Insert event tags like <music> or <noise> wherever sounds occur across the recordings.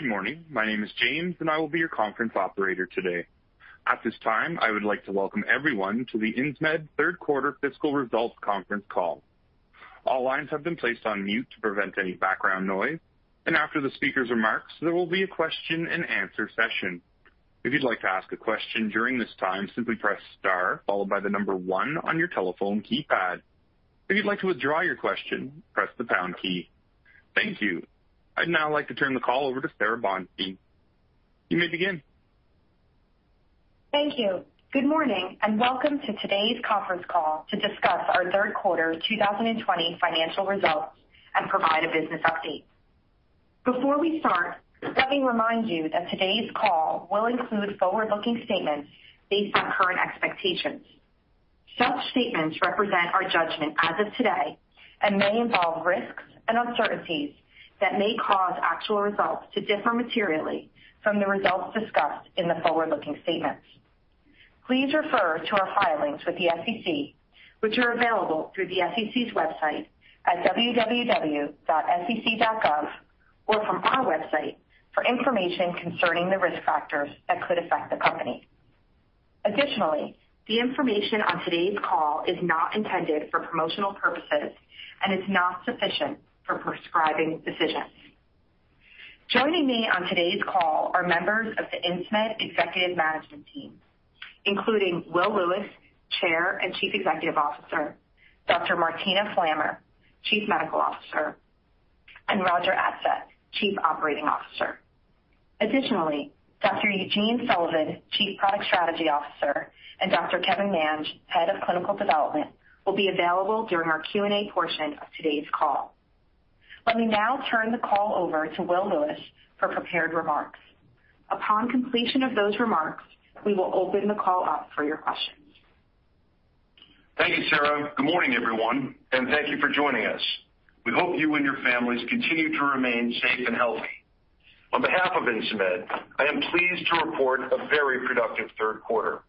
Good morning. My name is James, and I will be your conference operator today. At this time, I would like to welcome everyone to the Insmed Third Quarter Fiscal Results Conference Call. All lines have been placed on mute to prevent any background noise, and after the speaker's remarks, there will be a question and answer session. If you'd like to ask a question during this time, simply press star followed by the number one on your telephone keypad. If you'd like to withdraw your question, press the pound key. Thank you. I'd now like to turn the call over to Sara Bonstein. You may begin. Thank you. Welcome to today's conference call to discuss our third quarter 2020 financial results and provide a business update. Before we start, let me remind you that today's call will include forward-looking statements based on current expectations. Such statements represent our judgment as of today and may involve risks and uncertainties that may cause actual results to differ materially from the results discussed in the forward-looking statements. Please refer to our filings with the SEC, which are available through the SEC's website at www.sec.gov or from our website for information concerning the risk factors that could affect the company. Additionally, the information on today's call is not intended for promotional purposes and is not sufficient for prescribing decisions. Joining me on today's call are members of the Insmed executive management team, including Will Lewis, Chair, and Chief Executive Officer, Dr. Martina Flammer, Chief Medical Officer, and Roger Adsett, Chief Operating Officer. Additionally, Dr. Eugene Sullivan, Chief Product Strategy Officer, and Dr. Kevin Mange, Head of Clinical Development, will be available during our Q&A portion of today's call. Let me now turn the call over to Will Lewis for prepared remarks. Upon completion of those remarks, we will open the call up for your questions. Thank you, Sara. Good morning, everyone. Thank you for joining us. We hope you and your families continue to remain safe and healthy. On behalf of Insmed, I am pleased to report a very productive third quarter.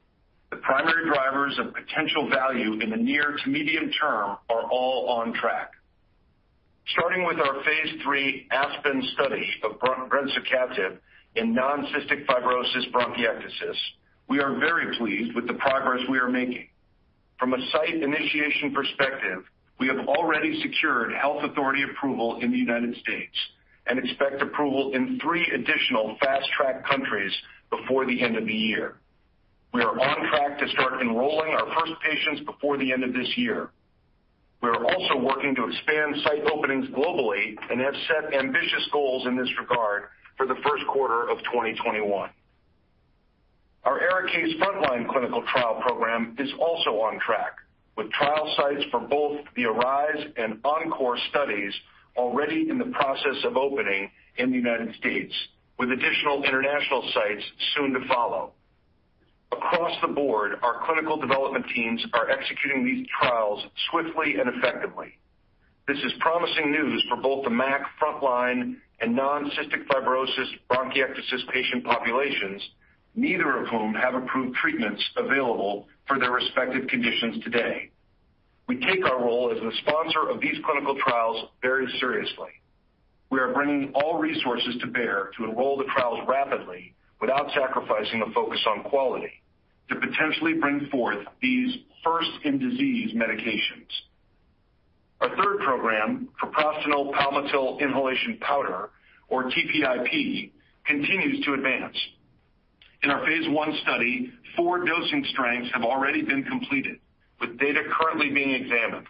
The primary drivers of potential value in the near to medium term are all on track. Starting with our phase III ASPEN study of brensocatib in non-cystic fibrosis bronchiectasis, we are very pleased with the progress we are making. From a site initiation perspective, we have already secured health authority approval in the U.S. and expect approval in three additional fast-track countries before the end of the year. We are on track to start enrolling our first patients before the end of this year. We are also working to expand site openings globally and have set ambitious goals in this regard for the first quarter of 2021. Our ARIKAYCE frontline clinical trial program is also on track, with trial sites for both the ARISE and ENCORE studies already in the process of opening in the U.S., with additional international sites soon to follow. Across the board, our clinical development teams are executing these trials swiftly and effectively. This is promising news for both the MAC frontline and non-cystic fibrosis bronchiectasis patient populations, neither of whom have approved treatments available for their respective conditions today. We take our role as the sponsor of these clinical trials very seriously. We are bringing all resources to bear to enroll the trials rapidly without sacrificing the focus on quality to potentially bring forth these first-in-disease medications. Our third program, treprostinil palmitil inhalation powder, or TPIP, continues to advance. In our phase I study, four dosing strengths have already been completed, with data currently being examined.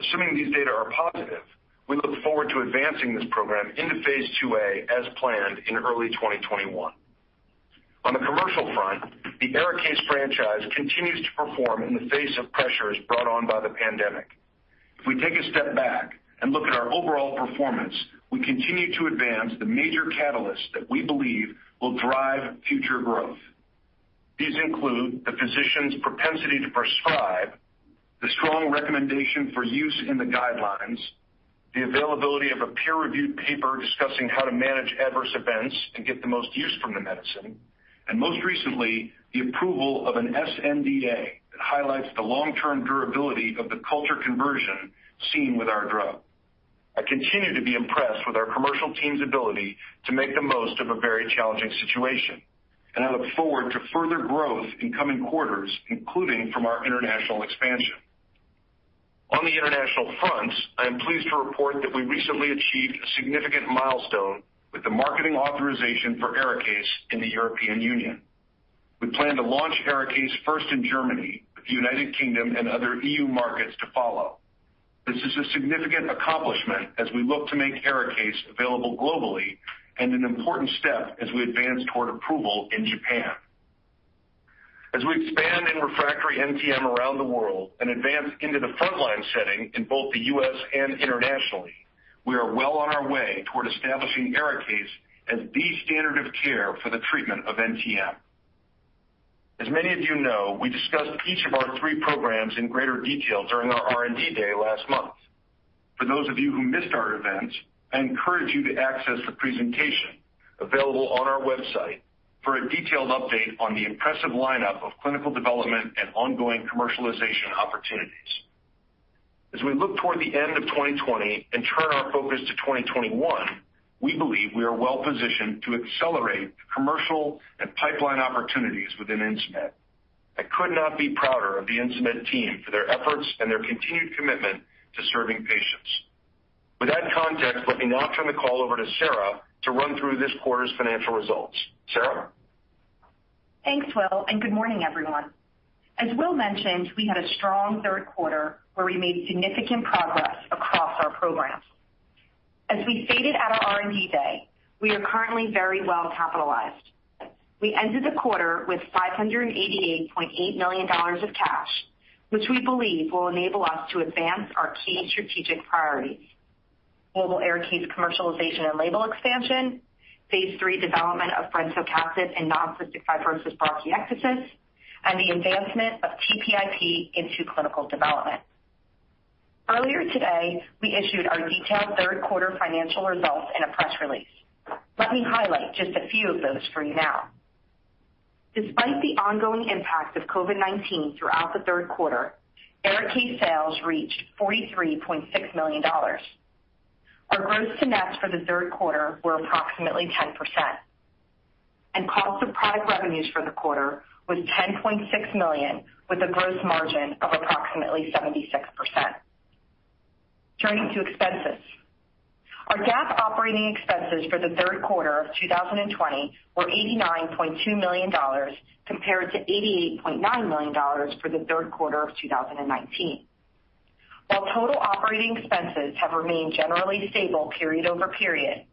Assuming these data are positive, we look forward to advancing this program into phase II-A as planned in early 2021. On the commercial front, the ARIKAYCE franchise continues to perform in the face of pressures brought on by the pandemic. If we take a step back and look at our overall performance, we continue to advance the major catalyst that we believe will drive future growth. These include the physician's propensity to prescribe, the strong recommendation for use in the guidelines, the availability of a peer-reviewed paper discussing how to manage adverse events and get the most use from the medicine, and most recently, the approval of an sNDA that highlights the long-term durability of the culture conversion seen with our drug. I continue to be impressed with our commercial team's ability to make the most of a very challenging situation, and I look forward to further growth in coming quarters, including from our international expansion. On the international front, I am pleased to report that we recently achieved a significant milestone with the marketing authorization for ARIKAYCE in the European Union. We plan to launch ARIKAYCE first in Germany, with the United Kingdom and other EU markets to follow. This is a significant accomplishment as we look to make ARIKAYCE available globally and an important step as we advance toward approval in Japan. As we expand in refractory NTM around the world and advance into the frontline setting in both the U.S. and internationally, we are well on our way toward establishing ARIKAYCE as the standard of care for the treatment of NTM. As many of you know, we discussed each of our three programs in greater detail during our R&D day last month. For those of you who missed our event, I encourage you to access the presentation available on our website for a detailed update on the impressive lineup of clinical development and ongoing commercialization opportunities. As we look toward the end of 2020 and turn our focus to 2021, we believe we are well-positioned to accelerate the commercial and pipeline opportunities within Insmed. I could not be prouder of the Insmed team for their efforts and their continued commitment to serving patients. With that context, let me now turn the call over to Sara to run through this quarter's financial results. Sara? Thanks, Will. Good morning, everyone. As Will mentioned, we had a strong third quarter where we made significant progress across our programs. As we stated at our R&D day, we are currently very well capitalized. We ended the quarter with $588.8 million of cash, which we believe will enable us to advance our key strategic priorities, global ARIKAYCE commercialization and label expansion, phase III development of brensocatib in non-cystic fibrosis bronchiectasis, and the advancement of TPIP into clinical development. Earlier today, we issued our detailed third quarter financial results in a press release. Let me highlight just a few of those for you now. Despite the ongoing impact of COVID-19 throughout the third quarter, ARIKAYCE sales reached $43.6 million. Our gross to net for the third quarter were approximately 10%, and cost of product revenues for the quarter was $10.6 million, with a gross margin of approximately 76%. Turning to expenses. Our GAAP operating expenses for the third quarter of 2020 were $89.2 million, compared to $88.9 million for the third quarter of 2019. While total operating expenses have remained generally stable period-over-period,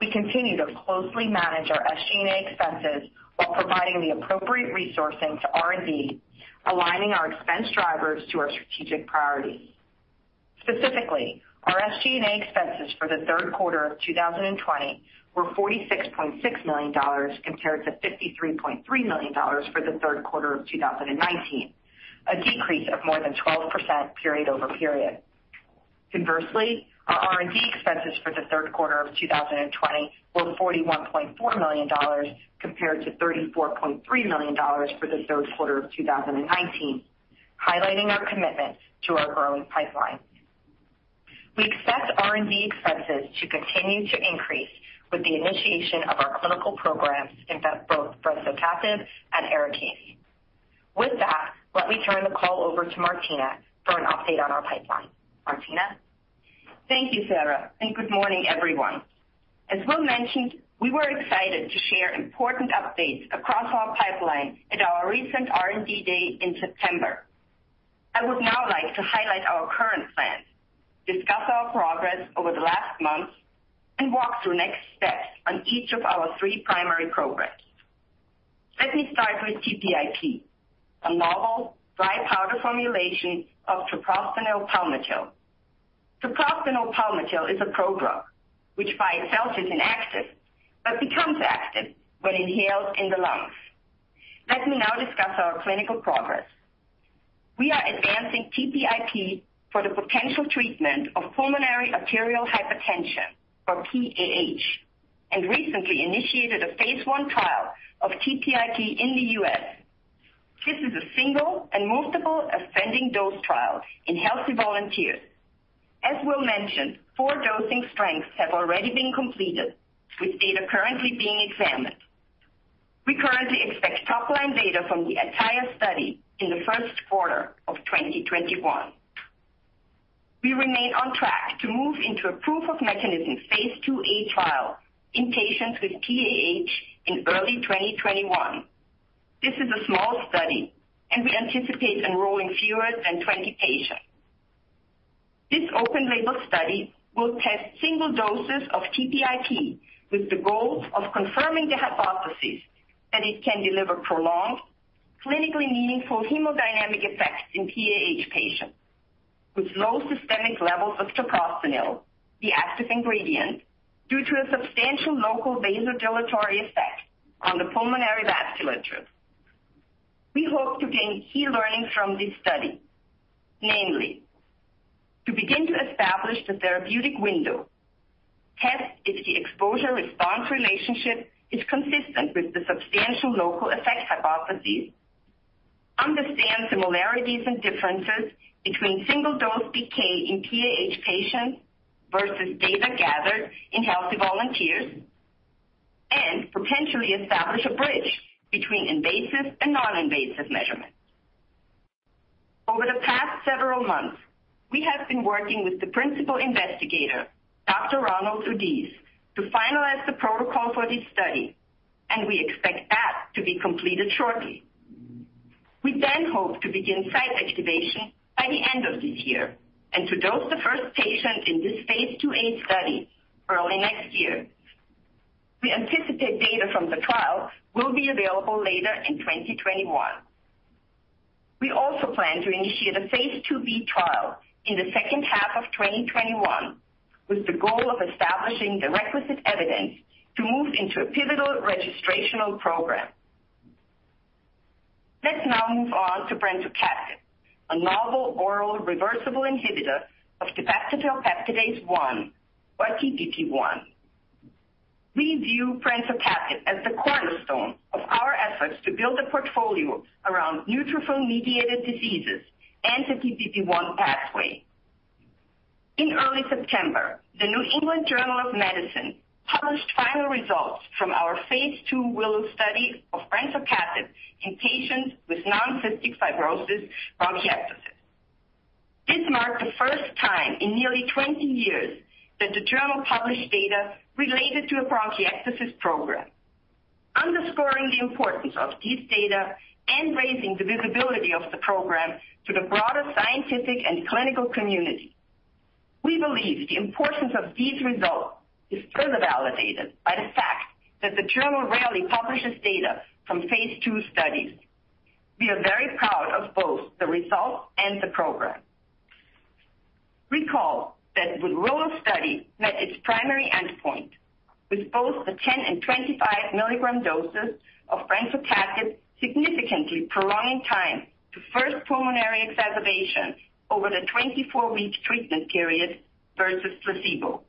we continue to closely manage our SG&A expenses while providing the appropriate resourcing to R&D, aligning our expense drivers to our strategic priorities. Specifically, our SG&A expenses for the third quarter of 2020 were $46.6 million compared to $53.3 million for the third quarter of 2019, a decrease of more than 12% period-over-period. Conversely, our R&D expenses for the third quarter of 2020 were $41.4 million compared to $34.3 million for the third quarter of 2019, highlighting our commitment to our growing pipeline. We expect R&D expenses to continue to increase with the initiation of our clinical programs in both brensocatib and ARIKAYCE. With that, let me turn the call over to Martina for an update on our pipeline. Martina? Thank you, Sara, and good morning, everyone. As Will mentioned, we were excited to share important updates across our pipeline at our recent R&D day in September. I would now like to highlight our current plans, discuss our progress over the last month, and walk through next steps on each of our three primary programs. Let me start with TPIP, a novel dry powder formulation of treprostinil palmitil. Treprostinil palmitil is a prodrug, which by itself isn't active, but becomes active when inhaled in the lungs. Let me now discuss our clinical progress. We are advancing TPIP for the potential treatment of pulmonary arterial hypertension, or PAH, and recently initiated a phase I trial of TPIP in the U.S. This is a single and multiple ascending dose trial in healthy volunteers. As will mentioned, four dosing strengths have already been completed, with data currently being examined. We currently expect top-line data from the entire study in the first quarter of 2021. We remain on track to move into a proof of mechanism phase II-A trial in patients with PAH in early 2021. This is a small study, and we anticipate enrolling fewer than 20 patients. This open label study will test single doses of TPIP with the goal of confirming the hypothesis that it can deliver prolonged, clinically meaningful hemodynamic effects in PAH patients with low systemic levels of treprostinil, the active ingredient, due to a substantial local vasodilatory effect on the pulmonary vasculature. We hope to gain key learnings from this study. Namely, to begin to establish the therapeutic window, test if the exposure-response relationship is consistent with the substantial local effect hypotheses, understand similarities and differences between single dose PK in PAH patients versus data gathered in healthy volunteers, and potentially establish a bridge between invasive and non-invasive measurements. Over the past several months, we have been working with the principal investigator, Dr. Ronald Oudiz, to finalize the protocol for this study. We expect that to be completed shortly. We hope to begin site activation by the end of this year, to dose the first patient in this phase II-A study early next year. We anticipate data from the trial will be available later in 2021. We also plan to initiate a phase II-B trial in the second half of 2021, with the goal of establishing the requisite evidence to move into a pivotal registrational program. Let's now move on to brensocatib, a novel oral reversible inhibitor of dipeptidyl peptidase 1, or DPP1. We view brensocatib as the cornerstone of our efforts to build a portfolio around neutrophil-mediated diseases and the DPP1 pathway. In early September, the New England Journal of Medicine published final results from our phase II WILLOW study of brensocatib in patients with non-cystic fibrosis bronchiectasis. This marked the first time in nearly 20 years that the journal published data related to a bronchiectasis program, underscoring the importance of this data and raising the visibility of the program to the broader scientific and clinical community. We believe the importance of these results is further validated by the fact that the journal rarely publishes data from phase II studies. We are very proud of both the results and the program. Recall that the WILLOW study met its primary endpoint, with both the 10 and 25 milligram doses of brensocatib significantly prolonging time to first pulmonary exacerbation over the 24-week treatment period versus placebo.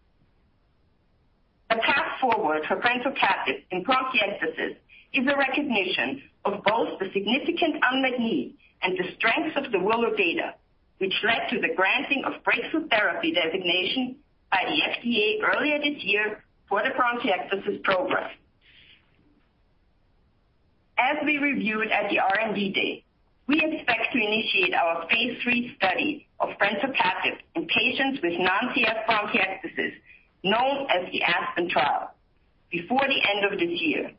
The path forward for brensocatib in bronchiectasis is a recognition of both the significant unmet need and the strengths of the WILLOW data, which led to the granting of breakthrough therapy designation by the FDA earlier this year for the bronchiectasis program. As we reviewed at the R&D Day, we expect to initiate our phase III study of brensocatib in patients with non-CF bronchiectasis, known as the ASPEN trial, before the end of this year.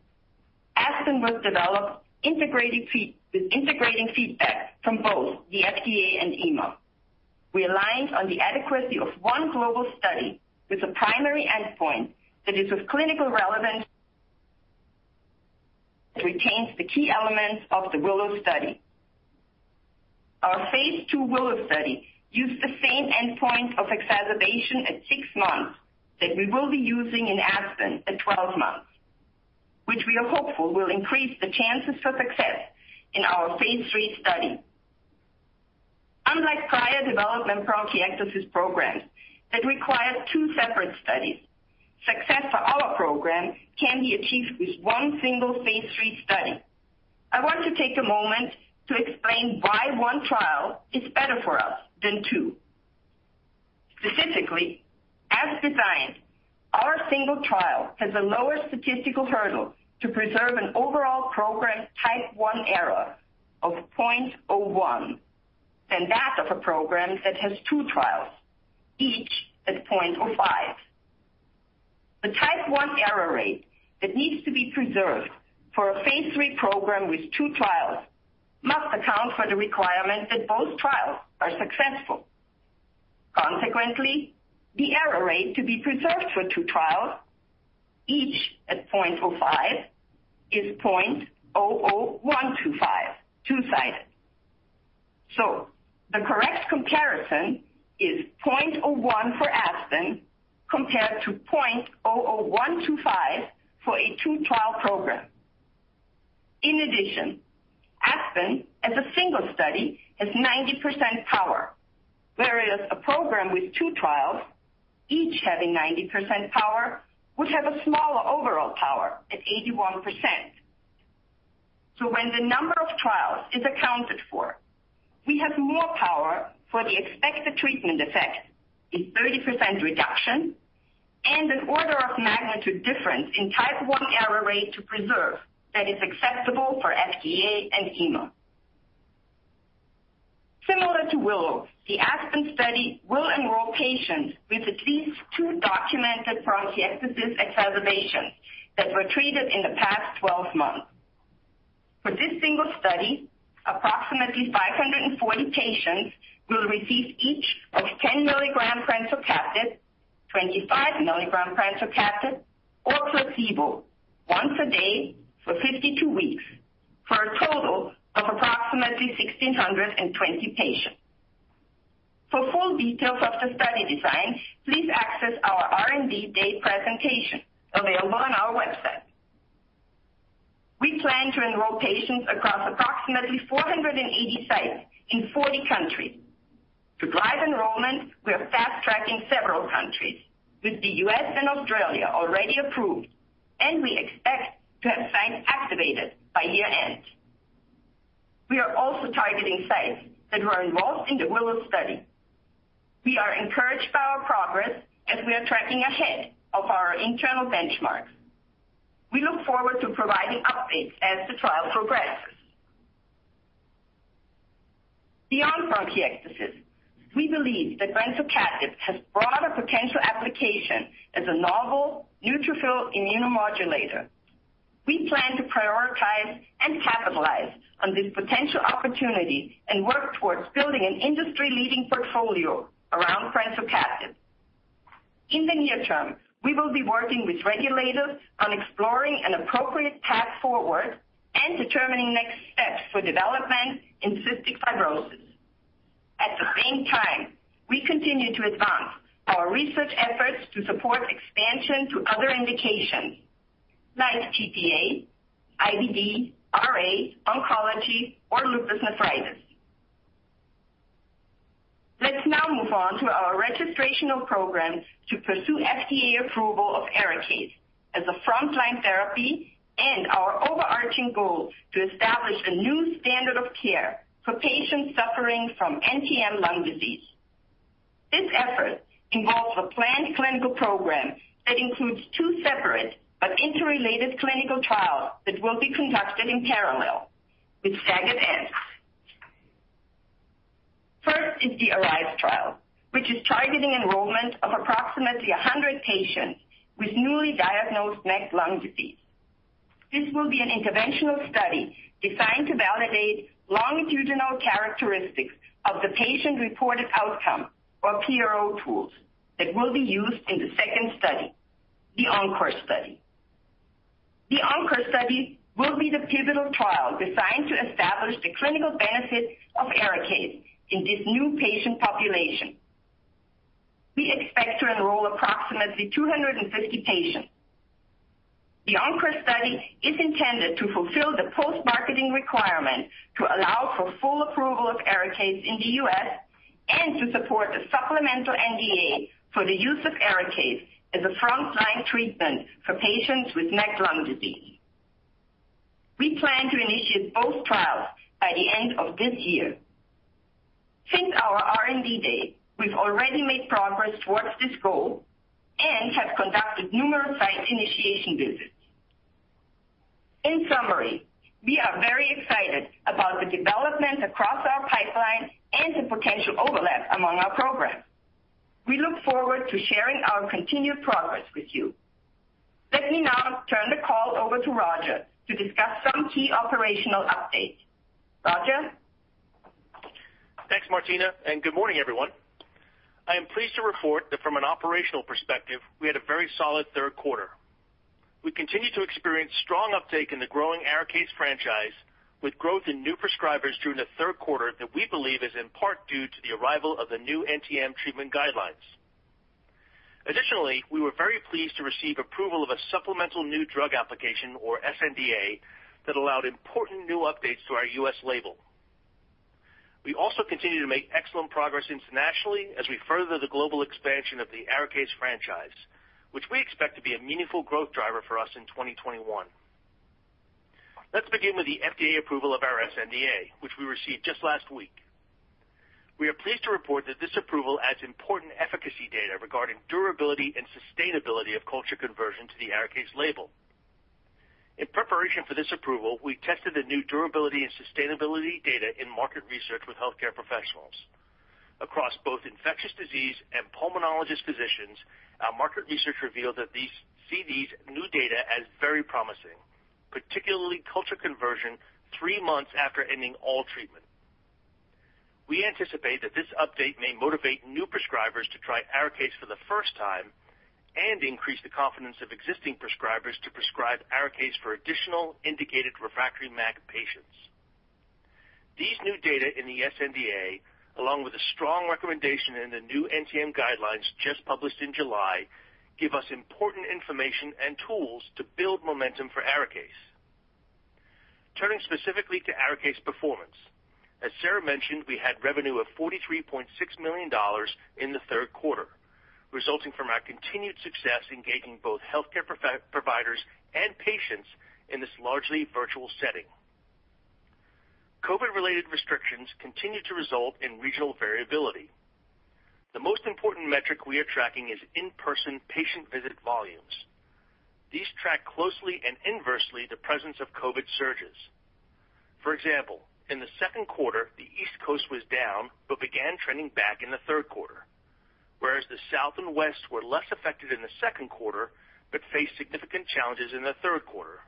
ASPEN was developed with integrating feedback from both the FDA and EMA. We aligned on the adequacy of one global study with a primary endpoint that is of clinical relevance, that retains the key elements of the WILLOW study. Our phase II WILLOW study used the same endpoint of exacerbation at six months that we will be using in ASPEN at 12 months, which we are hopeful will increase the chances for success in our phase III study. Unlike prior development bronchiectasis programs that required two separate studies, success for our program can be achieved with one single phase III study. I want to take a moment to explain why one trial is better for us than two. Specifically, as designed, our single trial has a lower statistical hurdle to preserve an overall program type one error of 0.01 than that of a program that has two trials, each at 0.05. The type one error rate that needs to be preserved for a phase III program with two trials must account for the requirement that both trials are successful. Consequently, the error rate to be preserved for two trials, each at 0.05, is 0.00125, two-sided. The correct comparison is 0.01 for ASPEN compared to 0.00125 for a two-trial program. In addition, ASPEN, as a single study, has 90% power, whereas a program with two trials, each having 90% power, would have a smaller overall power at 81%. When the number of trials is accounted for, we have more power for the expected treatment effect, a 30% reduction, and an order of magnitude difference in type one error rate to preserve that is acceptable for FDA and EMA. Similar to WILLOW, the ASPEN study will enroll patients with at least two documented bronchiectasis exacerbations that were treated in the past 12 months. For this single study, approximately 540 patients will receive each of 10 milligram pranlukast, 25 milligram pranlukast, or placebo once a day for 52 weeks, for a total of approximately 1,620 patients. For full details of the study design, please access our R&D Day presentation available on our website. We plan to enroll patients across approximately 480 sites in 40 countries. To drive enrollment, we are fast-tracking several countries, with the U.S. and Australia already approved, and we expect to have sites activated by year-end. We are also targeting sites that were enrolled in the WILLOW study. We are encouraged by our progress as we are tracking ahead of our internal benchmarks. We look forward to providing updates as the trial progresses. Beyond bronchiectasis, we believe that pranlukast has broader potential application as a novel neutrophil immunomodulator. We plan to prioritize and capitalize on this potential opportunity and work towards building an industry-leading portfolio around pranlukast. In the near term, we will be working with regulators on exploring an appropriate path forward and determining next steps for development in cystic fibrosis. At the same time, we continue to advance our research efforts to support expansion to other indications like AATD, IBD, RA, oncology, or lupus nephritis. Move on to our registrational programs to pursue FDA approval of ARIKAYCE as a frontline therapy and our overarching goal to establish a new standard of care for patients suffering from NTM lung disease. This effort involves a planned clinical program that includes two separate but interrelated clinical trials that will be conducted in parallel with staggered ends. First is the ARISE trial, which is targeting enrollment of approximately 100 patients with newly diagnosed MAC lung disease. This will be an interventional study designed to validate longitudinal characteristics of the Patient Reported Outcome, or PRO tools, that will be used in the second study, the ENCORE study. The ENCORE study will be the pivotal trial designed to establish the clinical benefit of ARIKAYCE in this new patient population. We expect to enroll approximately 250 patients. The ENCORE study is intended to fulfill the post-marketing requirement to allow for full approval of ARIKAYCE in the U.S. and to support the supplemental NDA for the use of ARIKAYCE as a frontline treatment for patients with MAC lung disease. We plan to initiate both trials by the end of this year. Since our R&D day, we've already made progress towards this goal and have conducted numerous site initiation visits. In summary, we are very excited about the development across our pipeline and the potential overlap among our programs. We look forward to sharing our continued progress with you. Let me now turn the call over to Roger to discuss some key operational updates. Roger? Thanks, Martina. Good morning, everyone. I am pleased to report that from an operational perspective, we had a very solid third quarter. We continue to experience strong uptake in the growing ARIKAYCE franchise, with growth in new prescribers during the third quarter that we believe is in part due to the arrival of the new NTM treatment guidelines. Additionally, we were very pleased to receive approval of a supplemental new drug application, or sNDA, that allowed important new updates to our U.S. label. We also continue to make excellent progress internationally as we further the global expansion of the ARIKAYCE franchise, which we expect to be a meaningful growth driver for us in 2021. Let's begin with the FDA approval of our sNDA, which we received just last week. We are pleased to report that this approval adds important efficacy data regarding durability and sustainability of culture conversion to the ARIKAYCE label. In preparation for this approval, we tested the new durability and sustainability data in market research with healthcare professionals. Across both infectious disease and pulmonologist physicians, our market research revealed that these studies' new data as very promising, particularly culture conversion three months after ending all treatment. We anticipate that this update may motivate new prescribers to try ARIKAYCE for the first time and increase the confidence of existing prescribers to prescribe ARIKAYCE for additional indicated refractory MAC patients. These new data in the sNDA, along with a strong recommendation in the new NTM guidelines just published in July, give us important information and tools to build momentum for ARIKAYCE. Turning specifically to ARIKAYCE performance. As Sara mentioned, we had revenue of $43.6 million in the third quarter, resulting from our continued success engaging both healthcare providers and patients in this largely virtual setting. COVID-related restrictions continue to result in regional variability. The most important metric we are tracking is in-person patient visit volumes. These track closely and inversely the presence of COVID surges. For example, in the second quarter, the East Coast was down but began trending back in the third quarter, whereas the South and West were less affected in the second quarter but faced significant challenges in the third quarter.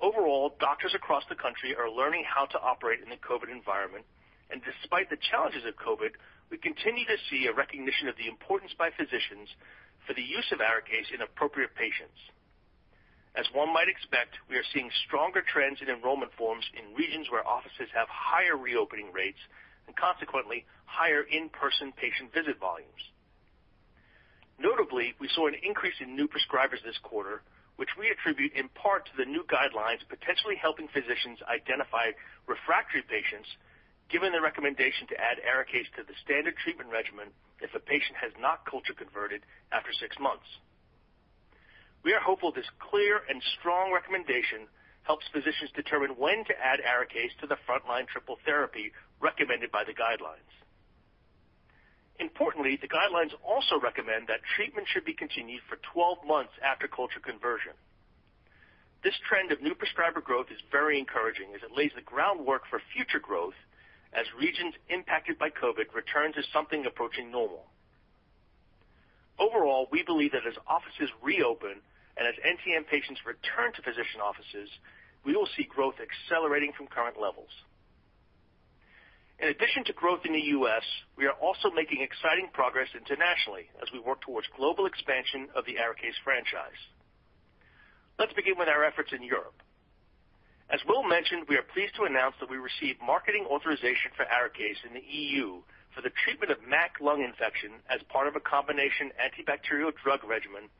Overall, doctors across the country are learning how to operate in the COVID environment, and despite the challenges of COVID, we continue to see a recognition of the importance by physicians for the use of ARIKAYCE in appropriate patients. As one might expect, we are seeing stronger trends in enrollment forms in regions where offices have higher reopening rates and consequently higher in-person patient visit volumes. Notably, we saw an increase in new prescribers this quarter, which we attribute in part to the new guidelines potentially helping physicians identify refractory patients, given the recommendation to add ARIKAYCE to the standard treatment regimen if a patient has not culture converted after six months. We are hopeful this clear and strong recommendation helps physicians determine when to add ARIKAYCE to the frontline triple therapy recommended by the guidelines. Importantly, the guidelines also recommend that treatment should be continued for 12 months after culture conversion. This trend of new prescriber growth is very encouraging as it lays the groundwork for future growth as regions impacted by COVID return to something approaching normal. Overall, we believe that as offices reopen and as NTM patients return to physician offices, we will see growth accelerating from current levels. In addition to growth in the U.S., we are also making exciting progress internationally as we work towards global expansion of the ARIKAYCE franchise. Let's begin with our efforts in Europe. As Will mentioned, we are pleased to announce that we received marketing authorization for ARIKAYCE in the EU for the treatment of MAC lung infection as part of a combination antibacterial drug regimen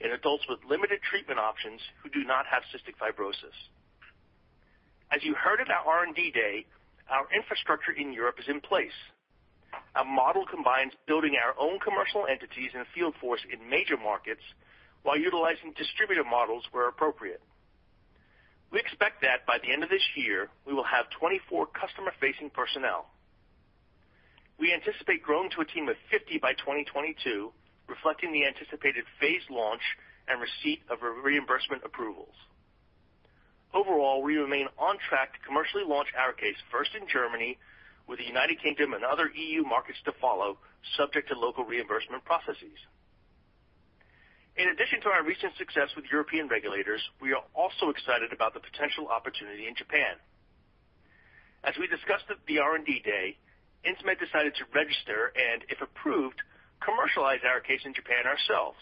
in adults with limited treatment options who do not have cystic fibrosis. As you heard at our R&D day, our infrastructure in Europe is in place. Our model combines building our own commercial entities and field force in major markets while utilizing distributor models where appropriate. We expect that by the end of this year, we will have 24 customer-facing personnel. We anticipate growing to a team of 50 by 2022, reflecting the anticipated phased launch and receipt of reimbursement approvals. Overall, we remain on track to commercially launch ARIKAYCE, first in Germany, with the United Kingdom and other EU markets to follow, subject to local reimbursement processes. In addition to our recent success with European regulators, we are also excited about the potential opportunity in Japan. As we discussed at the R&D day, Insmed decided to register and, if approved, commercialize ARIKAYCE in Japan ourselves.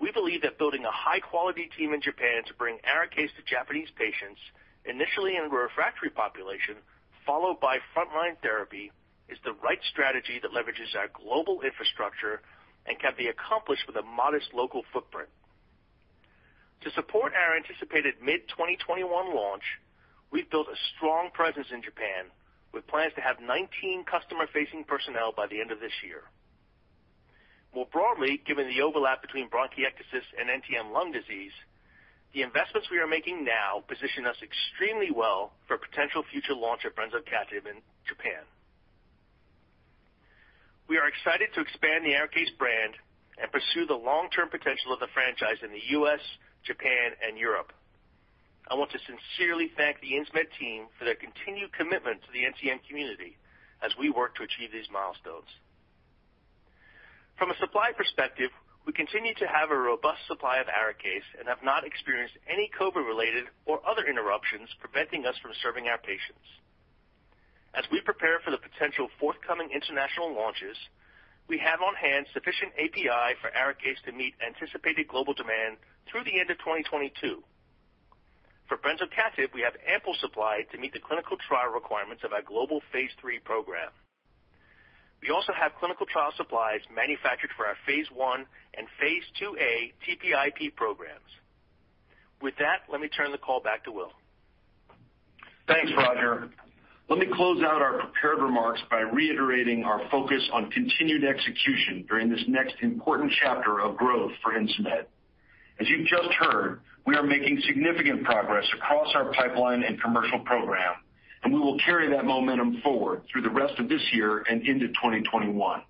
We believe that building a high-quality team in Japan to bring ARIKAYCE to Japanese patients, initially in the refractory population, followed by front-line therapy, is the right strategy that leverages our global infrastructure and can be accomplished with a modest local footprint. To support our anticipated mid-2021 launch, we've built a strong presence in Japan, with plans to have 19 customer-facing personnel by the end of this year. More broadly, given the overlap between bronchiectasis and NTM lung disease, the investments we are making now position us extremely well for a potential future launch of brensocatib in Japan. We are excited to expand the ARIKAYCE brand and pursue the long-term potential of the franchise in the U.S., Japan, and Europe. I want to sincerely thank the Insmed team for their continued commitment to the NTM community as we work to achieve these milestones. From a supply perspective, we continue to have a robust supply of ARIKAYCE and have not experienced any COVID-related or other interruptions preventing us from serving our patients. As we prepare for the potential forthcoming international launches, we have on hand sufficient API for ARIKAYCE to meet anticipated global demand through the end of 2022. For brensocatib, we have ample supply to meet the clinical trial requirements of our global phase III program. We also have clinical trial supplies manufactured for our phase I and phase II-A TPIP programs. With that, let me turn the call back to Will. Thanks, Roger. Let me close out our prepared remarks by reiterating our focus on continued execution during this next important chapter of growth for Insmed. As you've just heard, we are making significant progress across our pipeline and commercial program, and we will carry that momentum forward through the rest of this year and into 2021.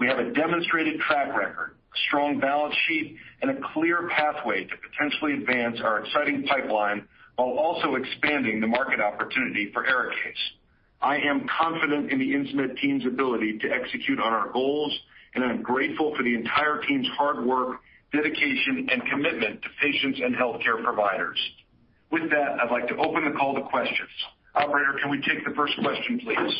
We have a demonstrated track record, a strong balance sheet, and a clear pathway to potentially advance our exciting pipeline while also expanding the market opportunity for ARIKAYCE. I am confident in the Insmed team's ability to execute on our goals, and I'm grateful for the entire team's hard work, dedication, and commitment to patients and healthcare providers. With that, I'd like to open the call to questions. Operator, can we take the first question, please?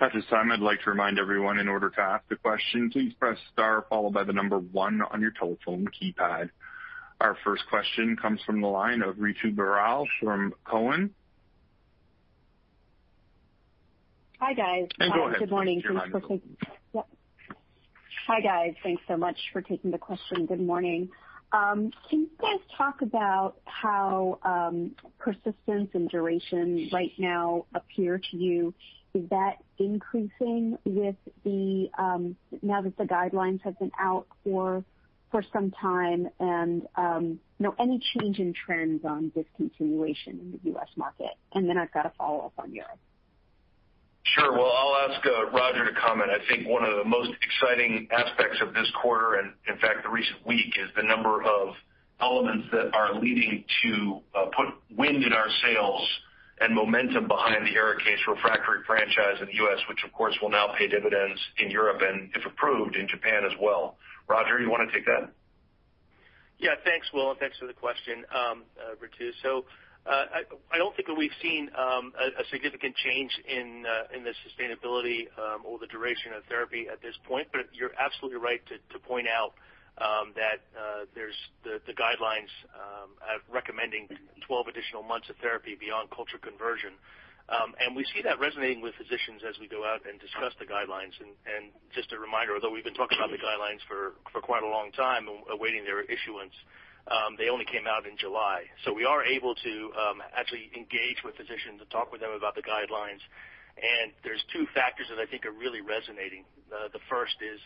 At this time, I'd like to remind everyone, in order to ask a question, please press star followed by the number one on your telephone keypad. Our first question comes from the line of Ritu Baral from Cowen. Hi, guys. Go ahead. Good morning. Yeah. Hi, guys. Thanks so much for taking the question. Good morning. Can you guys talk about how persistence and duration right now appear to you? Is that increasing now that the guidelines have been out for some time? Any change in trends on discontinuation in the U.S. market? I've got a follow-up on Europe. Sure. Well, I'll ask Roger to comment. I think one of the most exciting aspects of this quarter and, in fact, the recent week is the number of elements that are leading to put wind in our sails and momentum behind the ARIKAYCE refractory franchise in the U.S., which, of course, will now pay dividends in Europe and, if approved, in Japan as well. Roger, you want to take that? Yeah, thanks, Will, and thanks for the question, Ritu. I don't think that we've seen a significant change in the sustainability or the duration of therapy at this point. You're absolutely right to point out that there's the guidelines recommending 12 additional months of therapy beyond culture conversion. We see that resonating with physicians as we go out and discuss the guidelines. Just a reminder, although we've been talking about the guidelines for quite a long time, awaiting their issuance, they only came out in July. We are able to actually engage with physicians and talk with them about the guidelines. There's two factors that I think are really resonating. The first is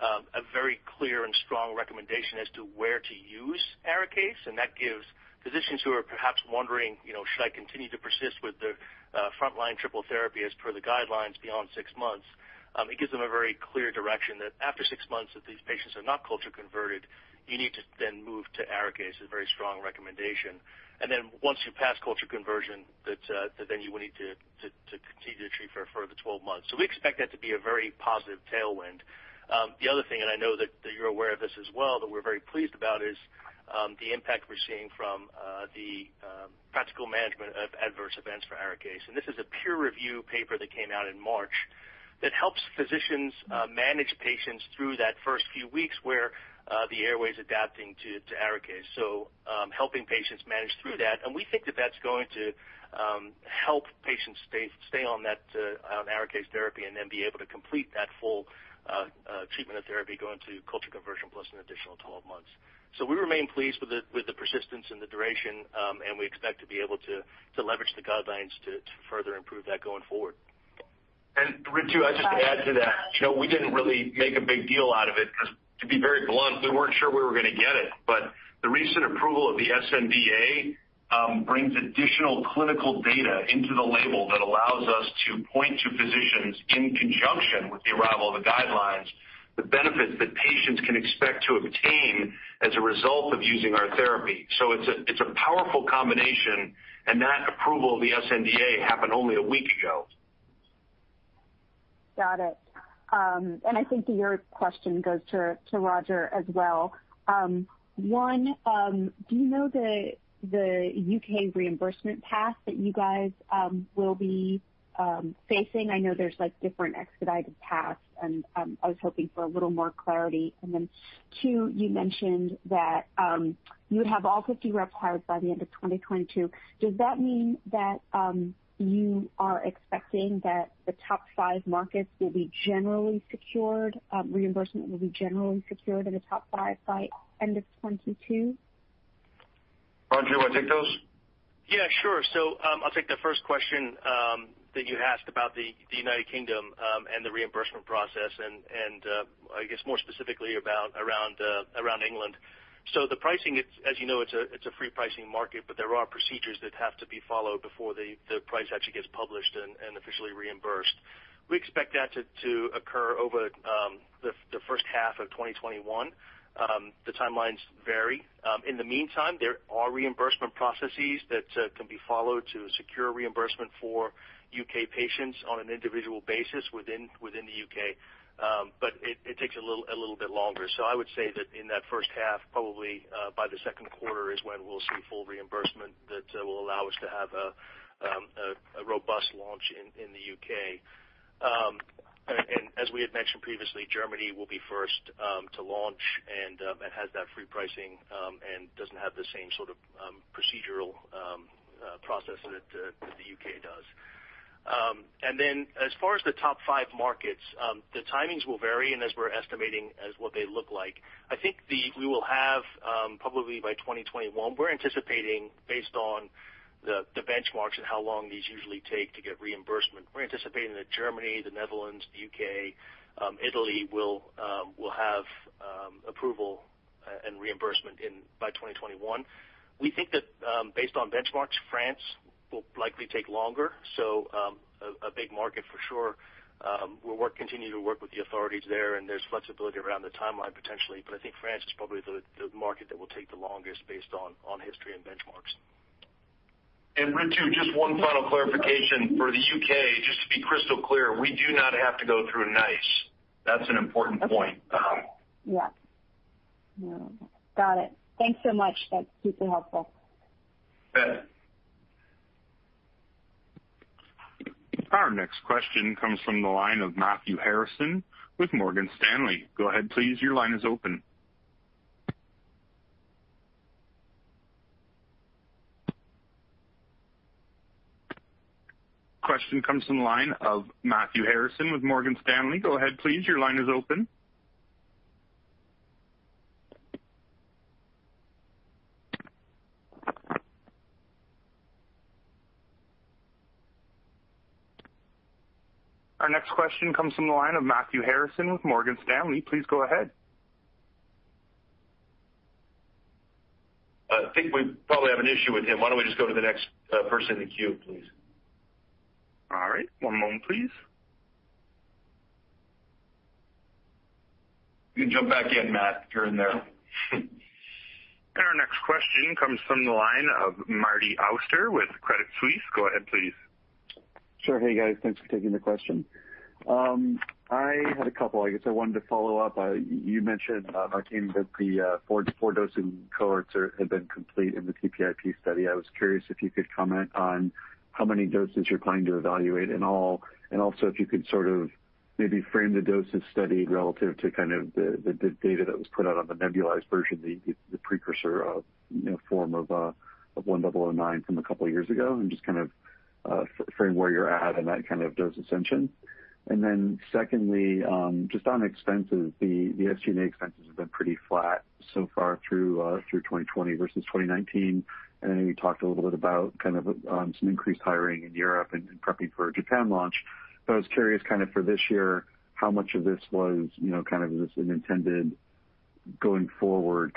a very clear and strong recommendation as to where to use ARIKAYCE, and that gives physicians who are perhaps wondering, should I continue to persist with the frontline triple therapy as per the guidelines beyond six months? It gives them a very clear direction that after six months, if these patients are not culture converted, you need to then move to ARIKAYCE as a very strong recommendation. Once you pass culture conversion, that then you would need to continue to treat for a further 12 months. We expect that to be a very positive tailwind. The other thing, and I know that you're aware of this as well, that we're very pleased about, is the impact we're seeing from the practical management of adverse events for ARIKAYCE. This is a peer-reviewed paper that came out in March that helps physicians manage patients through that first few weeks where the airway's adapting to ARIKAYCE, so helping patients manage through that. We think that that's going to help patients stay on ARIKAYCE therapy and then be able to complete that full treatment of therapy going to culture conversion plus an additional 12 months. We remain pleased with the persistence and the duration, and we expect to be able to leverage the guidelines to further improve that going forward. Ritu, I'll just add to that. We didn't really make a big deal out of it because, to be very blunt, we weren't sure we were going to get it. The recent approval of the sNDA brings additional clinical data into the label that allows us to point to physicians in conjunction with the arrival of the guidelines, the benefits that patients can expect to obtain as a result of using our therapy. It's a powerful combination, and that approval of the sNDA happened only a week ago. Got it. I think your question goes to Roger as well. One, do you know the U.K. reimbursement path that you guys will be facing? I know there's different expedited paths. I was hoping for a little more clarity. Two, you mentioned that you would have all 52 required by the end of 2022. Does that mean that you are expecting that the top five markets will be generally secured, reimbursement will be generally secured in the top five by end of 2022? Roger, you want to take those? Yeah, sure. I'll take the first question that you asked about the United Kingdom and the reimbursement process and I guess more specifically around England. The pricing, as you know, it's a free pricing market, but there are procedures that have to be followed before the price actually gets published and officially reimbursed. We expect that to occur over the first half of 2021. The timelines vary. In the meantime, there are reimbursement processes that can be followed to secure reimbursement for U.K. patients on an individual basis within the U.K. It takes a little bit longer. I would say that in that first half, probably by the second quarter is when we'll see full reimbursement that will allow us to have a robust launch in the U.K. As we had mentioned previously, Germany will be first to launch and has that free pricing and doesn't have the same sort of procedural process that the U.K. does. As far as the top five markets, the timings will vary and as we're estimating as what they look like. I think we will have probably by 2021, we're anticipating based on the benchmarks and how long these usually take to get reimbursement. We're anticipating that Germany, the Netherlands, the U.K., Italy will have approval and reimbursement by 2021. We think that based on benchmarks, France will likely take longer. A big market for sure. We'll continue to work with the authorities there and there's flexibility around the timeline potentially, but I think France is probably the market that will take the longest based on history and benchmarks. Ritu, just one final clarification. For the U.K., just to be crystal clear, we do not have to go through NICE. That's an important point. Okay. Yeah. Got it. Thanks so much. That's super helpful. You bet. Our next question comes from the line of Matthew Harrison with Morgan Stanley. Please go ahead. I think we probably have an issue with him. Why don't we just go to the next person in the queue, please? All right. One moment please. You can jump back in, Matt, if you're in there. Our next question comes from the line of Marty Auster with Credit Suisse. Go ahead, please. Sure. Hey, guys. Thanks for taking the question. I had a couple. I guess I wanted to follow up. You mentioned, Marty, that the four dosing cohorts have been complete in the TPIP study. I was curious if you could comment on how many doses you're planning to evaluate in all, and also if you could sort of maybe frame the dosing study relative to kind of the data that was put out on the nebulized version, the precursor form of INS1009 from a couple of years ago, and just kind of frame where you're at in that kind of dose ascension. Secondly, just on expenses, the SG&A expenses have been pretty flat so far through 2020 versus 2019. I know you talked a little bit about some increased hiring in Europe and prepping for a Japan launch. I was curious for this year, how much of this was an intended going forward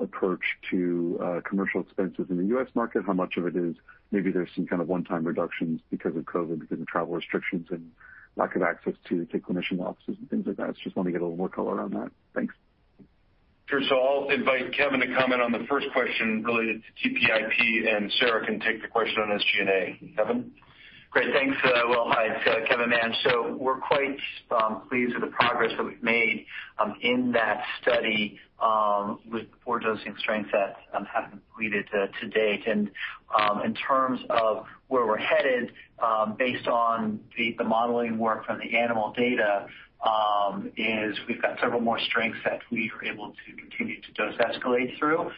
approach to commercial expenses in the U.S. market? How much of it is maybe there's some kind of one-time reductions because of COVID, because of travel restrictions and lack of access to clinician offices and things like that. I just want to get a little more color on that. Thanks. Sure. I'll invite Kevin to comment on the first question related to TPIP and Sara can take the question on SG&A. Kevin? Great. Thanks. Hi, it's Kevin Mange. We're quite pleased with the progress that we've made in that study with the four dosing strengths that have been completed to date. In terms of where we're headed based on the modeling work from the animal data is we've got several more strengths that we are able to continue to dose escalate through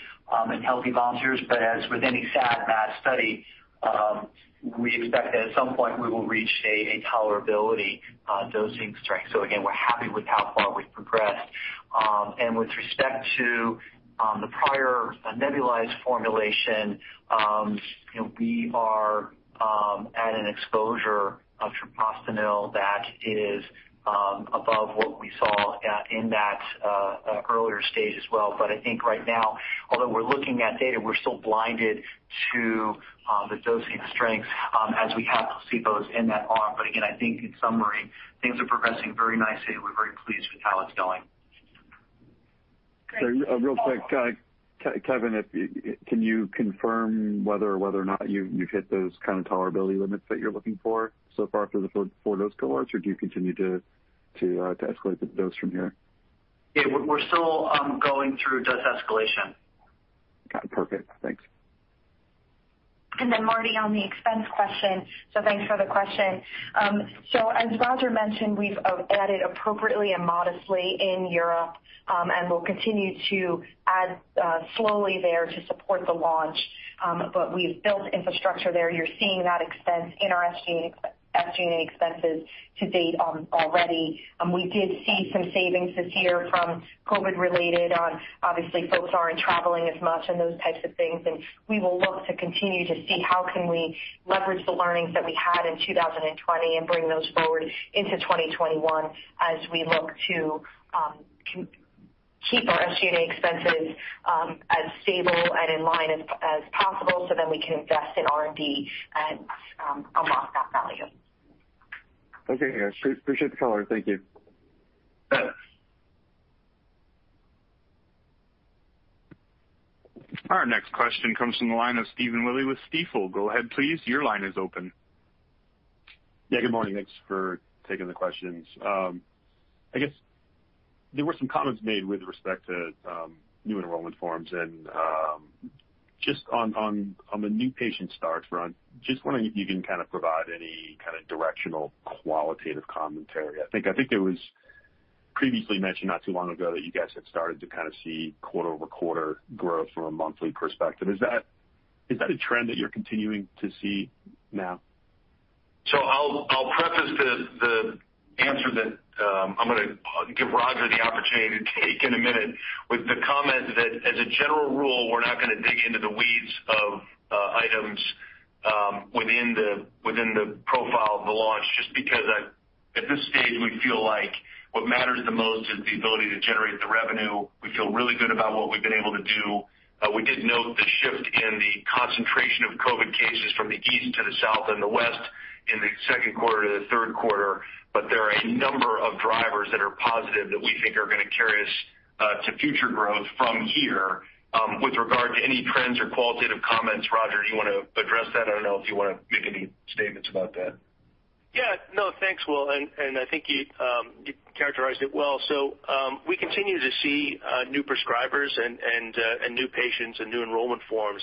in healthy volunteers. As with any SAD/MAD study, we expect that at some point we will reach a tolerability dosing strength. Again, we're happy with how far we've progressed. With respect to the prior nebulized formulation, we are at an exposure of treprostinil that is above what we saw in that earlier stage as well. I think right now, although we're looking at data, we're still blinded to the dosing strengths as we have placebos in that arm. Again, I think in summary, things are progressing very nicely and we're very pleased with how it's going. Great. Real quick, Kevin, can you confirm whether or not you've hit those kind of tolerability limits that you're looking for so far for those cohorts, or do you continue to escalate the dose from here? Yeah, we're still going through dose escalation. Got it. Perfect. Thanks. Marty, on the expense question. Thanks for the question. As Roger mentioned, we've added appropriately and modestly in Europe, and we'll continue to add slowly there to support the launch. We've built infrastructure there. You're seeing that expense in our SG&A expenses to date already. We did see some savings this year from COVID related. Obviously, folks aren't traveling as much and those types of things. We will look to continue to see how can we leverage the learnings that we had in 2020 and bring those forward into 2021 as we look to keep our SG&A expenses as stable and in line as possible so then we can invest in R&D and unlock that value. Okay. Appreciate the color. Thank you. Yes. Our next question comes from the line of Stephen Willey with Stifel. Go ahead, please. Your line is open. Yeah, good morning. Thanks for taking the questions. I guess there were some comments made with respect to new enrollment forms and just on the new patient starts front, just wondering if you can provide any kind of directional qualitative commentary. I think it was previously mentioned not too long ago that you guys had started to kind of see quarter-over-quarter growth from a monthly perspective. Is that a trend that you're continuing to see now? I'll preface the answer that I'm going to give Roger the opportunity to take in a minute with the comment that as a general rule, we're not going to dig into the weeds of items within the profile of the launch, just because at this stage, we feel like what matters the most is the ability to generate the revenue. We feel really good about what we've been able to do. We did note the shift in the concentration of COVID cases from the East to the South and the West in the second quarter to the third quarter. There are a number of drivers that are positive that we think are going to carry us to future growth from here. With regard to any trends or qualitative comments, Roger, do you want to address that? I don't know if you want to make any statements about that. Yeah. No, thanks, Will. I think you characterized it well. We continue to see new prescribers and new patients and new enrollment forms,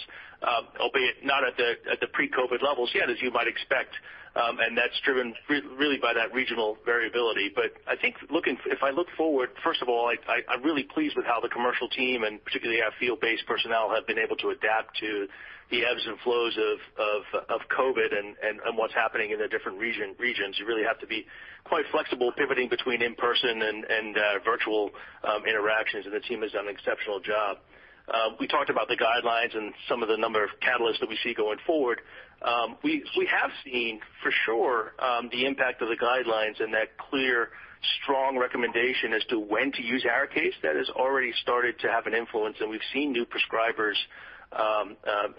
albeit not at the pre-COVID levels yet, as you might expect. That's driven really by that regional variability. I think if I look forward, first of all, I'm really pleased with how the commercial team and particularly our field-based personnel have been able to adapt to the ebbs and flows of COVID and what's happening in the different regions. You really have to be quite flexible pivoting between in-person and virtual interactions. The team has done an exceptional job. We talked about the guidelines and some of the number of catalysts that we see going forward. We have seen for sure, the impact of the guidelines and that clear, strong recommendation as to when to use ARIKAYCE. That has already started to have an influence, and we've seen new prescribers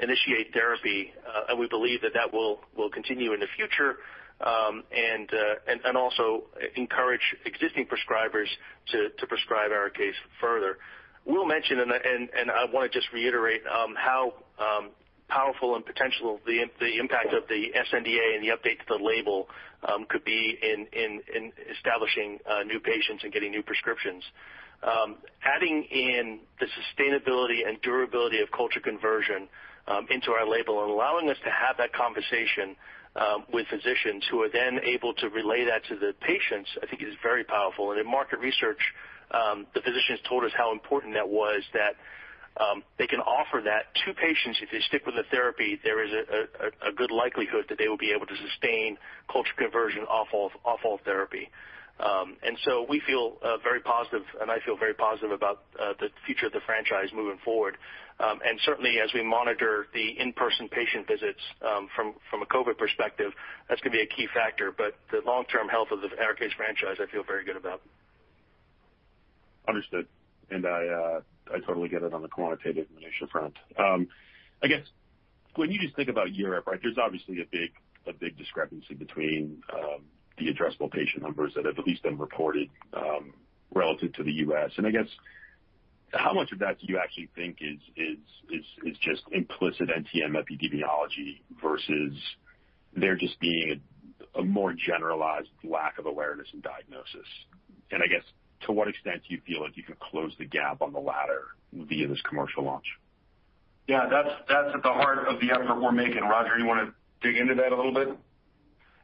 initiate therapy. We believe that that will continue in the future, and also encourage existing prescribers to prescribe ARIKAYCE further. Will mentioned, and I want to just reiterate how powerful and potential the impact of the sNDA and the update to the label could be in establishing new patients and getting new prescriptions. Adding in the sustainability and durability of culture conversion into our label and allowing us to have that conversation with physicians who are then able to relay that to the patients, I think is very powerful. In market research, the physicians told us how important that was that they can offer that to patients. If they stick with the therapy, there is a good likelihood that they will be able to sustain culture conversion off all therapy. We feel very positive, and I feel very positive about the future of the franchise moving forward. Certainly as we monitor the in-person patient visits from a COVID-19 perspective, that's going to be a key factor. The long-term health of the ARIKAYCE franchise, I feel very good about. Understood. I totally get it on the quantitative initial front. I guess when you just think about Europe, right, there's obviously a big discrepancy between the addressable patient numbers that have at least been reported relative to the U.S. I guess how much of that do you actually think is just implicit NTM epidemiology versus there just being a more generalized lack of awareness and diagnosis? I guess to what extent do you feel like you can close the gap on the latter via this commercial launch? Yeah, that's at the heart of the effort we're making. Roger, you want to dig into that a little bit?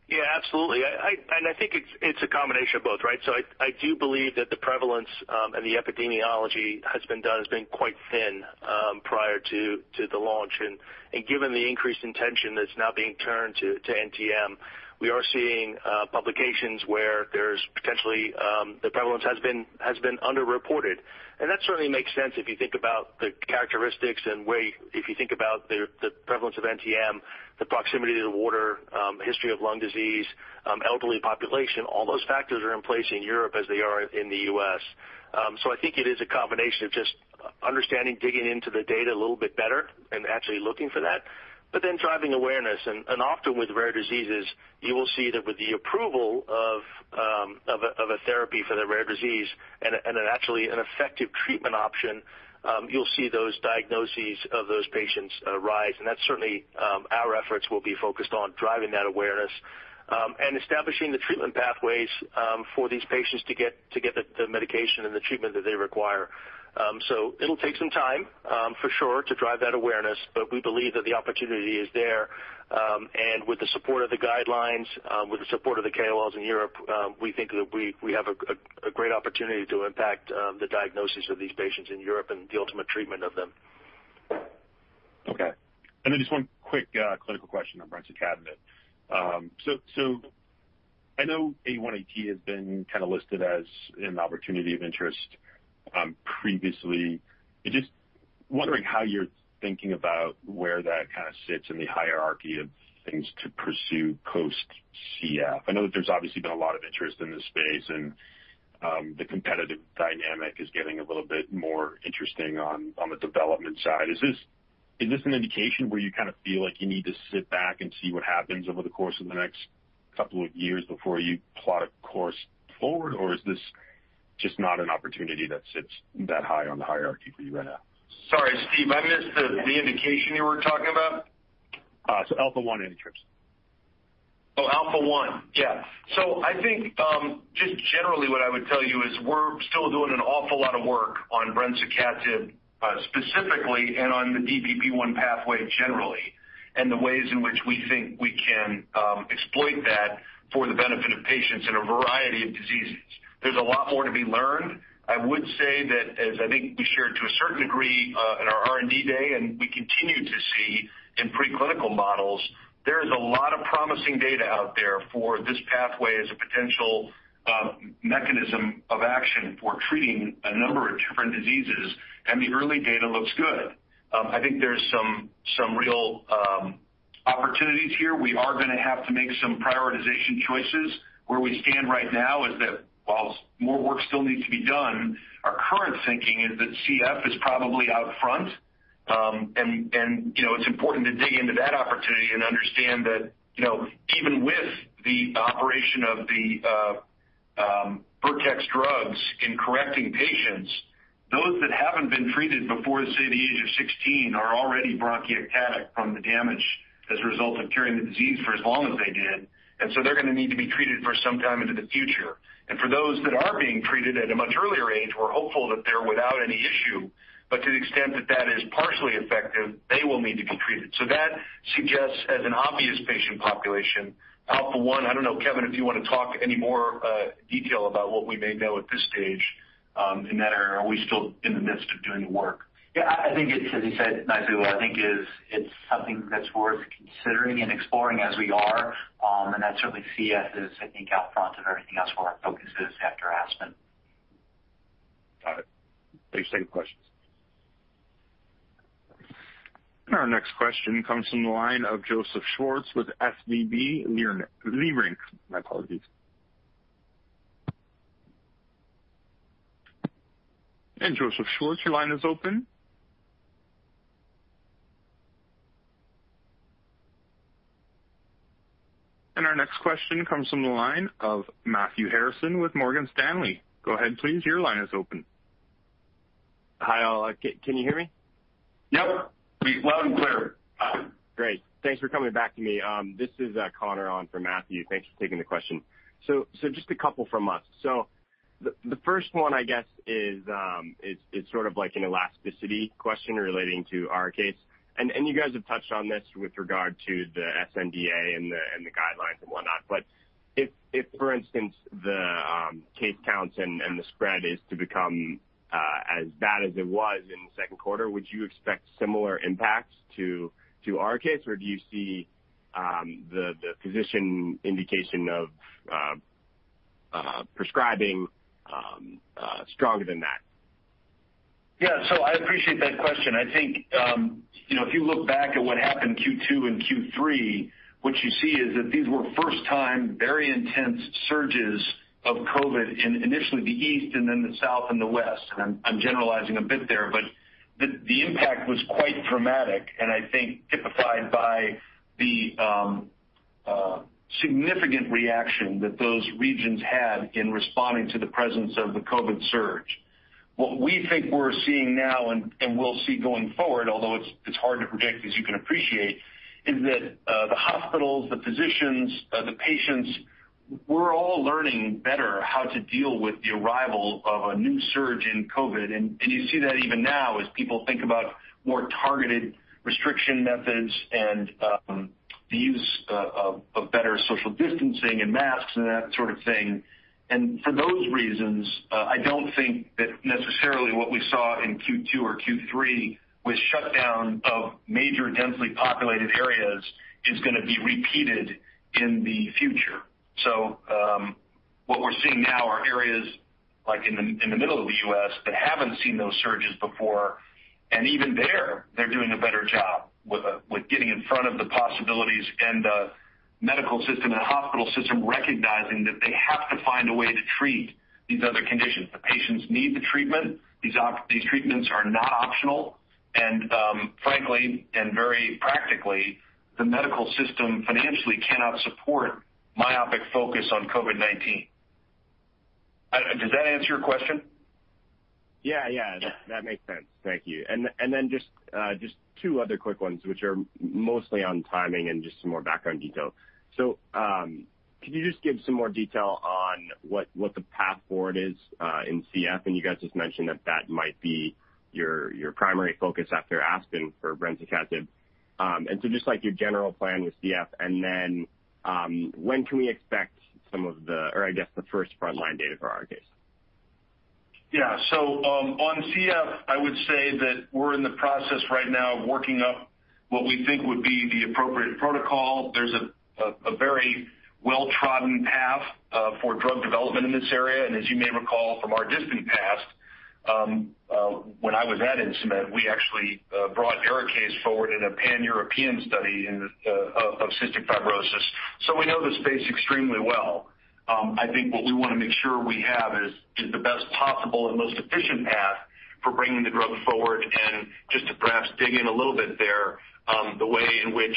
Yeah, absolutely. I think it's a combination of both, right? I do believe that the prevalence and the epidemiology has been quite thin prior to the launch. Given the increased intention that's now being turned to NTM, we are seeing publications where there's potentially the prevalence has been under-reported. That certainly makes sense if you think about the characteristics and if you think about the prevalence of NTM, the proximity to the water, history of lung disease, elderly population, all those factors are in place in Europe as they are in the U.S. I think it is a combination of just understanding, digging into the data a little bit better, and actually looking for that, but then driving awareness. Often with rare diseases, you will see that with the approval of a therapy for the rare disease and actually an effective treatment option, you'll see those diagnoses of those patients rise. That's certainly our efforts will be focused on driving that awareness and establishing the treatment pathways for these patients to get the medication and the treatment that they require. It'll take some time, for sure, to drive that awareness. We believe that the opportunity is there. With the support of the guidelines, with the support of the KOLs in Europe, we think that we have a great opportunity to impact the diagnosis of these patients in Europe and the ultimate treatment of them. Okay. Just one quick clinical question on brensocatib. I know A1AT has been kind of listed as an opportunity of interest previously. Just wondering how you're thinking about where that kind of sits in the hierarchy of things to pursue post-CF. I know that there's obviously been a lot of interest in this space, and the competitive dynamic is getting a little bit more interesting on the development side. Is this an indication where you kind of feel like you need to sit back and see what happens over the course of the next couple of years before you plot a course forward? Is this just not an opportunity that sits that high on the hierarchy for you right now? Sorry, Steve, I missed the indication you were talking about. Alpha-1 antitrypsin. Alpha-1. Yeah. I think, just generally what I would tell you is we're still doing an awful lot of work on brensocatib specifically and on the DPP1 pathway generally, and the ways in which we think we can exploit that for the benefit of patients in a variety of diseases. There's a lot more to be learned. I would say that as I think we shared to a certain degree in our R&D day, and we continue to see in preclinical models, there is a lot of promising data out there for this pathway as a potential mechanism of action for treating a number of different diseases, and the early data looks good. I think there's some real opportunities here. We are going to have to make some prioritization choices. Where we stand right now is that while more work still needs to be done, our current thinking is that CF is probably out front. It's important to dig into that opportunity and understand that even with the operation of the Vertex drugs in correcting patients, those that haven't been treated before, say, the age of 16 are already bronchiectasis from the damage as a result of carrying the disease for as long as they did. They're going to need to be treated for some time into the future. For those that are being treated at a much earlier age, we're hopeful that they're without any issue. To the extent that that is partially effective, they will need to be treated. That suggests as an obvious patient population, alpha-1. I don't know, Kevin, if you want to talk any more detail about what we may know at this stage in that area, or are we still in the midst of doing the work? Yeah, I think it's, as you said, <inaudible> I think it's something that's worth considering and exploring as we are. That certainly CF is, I think out front of everything else where our focus is after ASPEN. Got it. Thanks. Same questions. Our next question comes from the line of Joseph Schwartz with SVB Leerink. My apologies. Joseph Schwartz, your line is open. Our next question comes from the line of Matthew Harrison with Morgan Stanley. Go ahead, please. Your line is open. Hi, all. Can you hear me? Yep. Loud and clear. Great. Thanks for coming back to me. This is Connor on for Matthew. Thanks for taking the question. Just a couple from us. The first one, I guess, is sort of like an elasticity question relating to ARIKAYCE. You guys have touched on this with regard to the sNDA and the guidelines and whatnot. If, for instance, the case counts and the spread is to become as bad as it was in the second quarter, would you expect similar impacts to ARIKAYCE? Or do you see the physician indication of prescribing stronger than that? Yeah. I appreciate that question. I think if you look back at what happened Q2 and Q3, what you see is that these were first-time, very intense surges of COVID in initially the East and then the South and the West. I'm generalizing a bit there, but the impact was quite dramatic and I think typified by the significant reaction that those regions had in responding to the presence of the COVID surge. What we think we're seeing now and will see going forward, although it's hard to predict, as you can appreciate, is that the hospitals, the physicians, the patients. We're all learning better how to deal with the arrival of a new surge in COVID-19. You see that even now as people think about more targeted restriction methods and the use of better social distancing and masks and that sort of thing. For those reasons, I don't think that necessarily what we saw in Q2 or Q3 with shutdown of major densely populated areas is going to be repeated in the future. What we're seeing now are areas like in the middle of the U.S. that haven't seen those surges before, and even there, they're doing a better job with getting in front of the possibilities and the medical system and hospital system recognizing that they have to find a way to treat these other conditions. The patients need the treatment. These treatments are not optional. Frankly, and very practically, the medical system financially cannot support myopic focus on COVID-19. Does that answer your question? Yeah. That makes sense. Thank you. Just two other quick ones, which are mostly on timing and just some more background detail. Could you just give some more detail on what the path forward is in CF? You guys just mentioned that that might be your primary focus after ASPEN for brensocatib. Just like your general plan with CF, and then when can we expect some of the, or I guess the first frontline data for ARISE? Yeah. On CF, I would say that we're in the process right now of working up what we think would be the appropriate protocol. There's a very well-trodden path for drug development in this area, and as you may recall from our distant past, when I was at Insmed, we actually brought ARISE forward in a Pan-European study of cystic fibrosis. We know the space extremely well. I think what we want to make sure we have is the best possible and most efficient path for bringing the drug forward. Just to perhaps dig in a little bit there, the way in which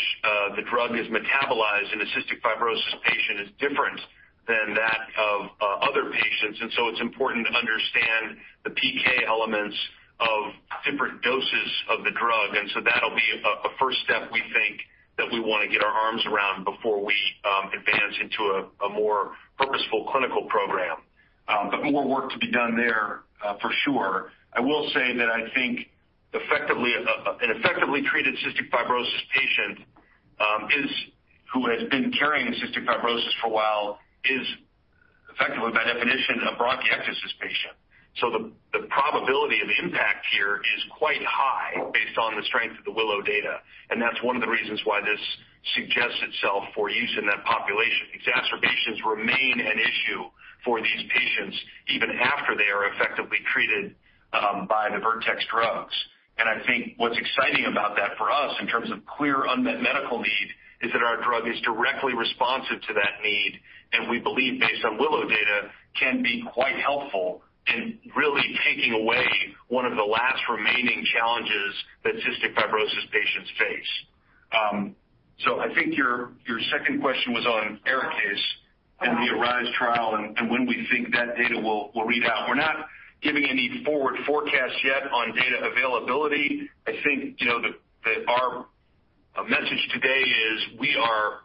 the drug is metabolized in a cystic fibrosis patient is different than that of other patients. It's important to understand the PK elements of different doses of the drug. That'll be a first step we think that we want to get our arms around before we advance into a more purposeful clinical program. More work to be done there for sure. I will say that I think an effectively treated cystic fibrosis patient who has been carrying cystic fibrosis for a while is effectively by definition a bronchiectasis patient. The probability of impact here is quite high based on the strength of the WILLOW data, and that's one of the reasons why this suggests itself for use in that population. Exacerbations remain an issue for these patients even after they are effectively treated by the Vertex drugs. I think what's exciting about that for us in terms of clear unmet medical need is that our drug is directly responsive to that need, and we believe based on WILLOW data can be quite helpful in really taking away one of the last remaining challenges that cystic fibrosis patients face. I think your second question was on ARISE and the ARISE trial and when we think that data will read out. We're not giving any forward forecast yet on data availability. I think that our message today is we are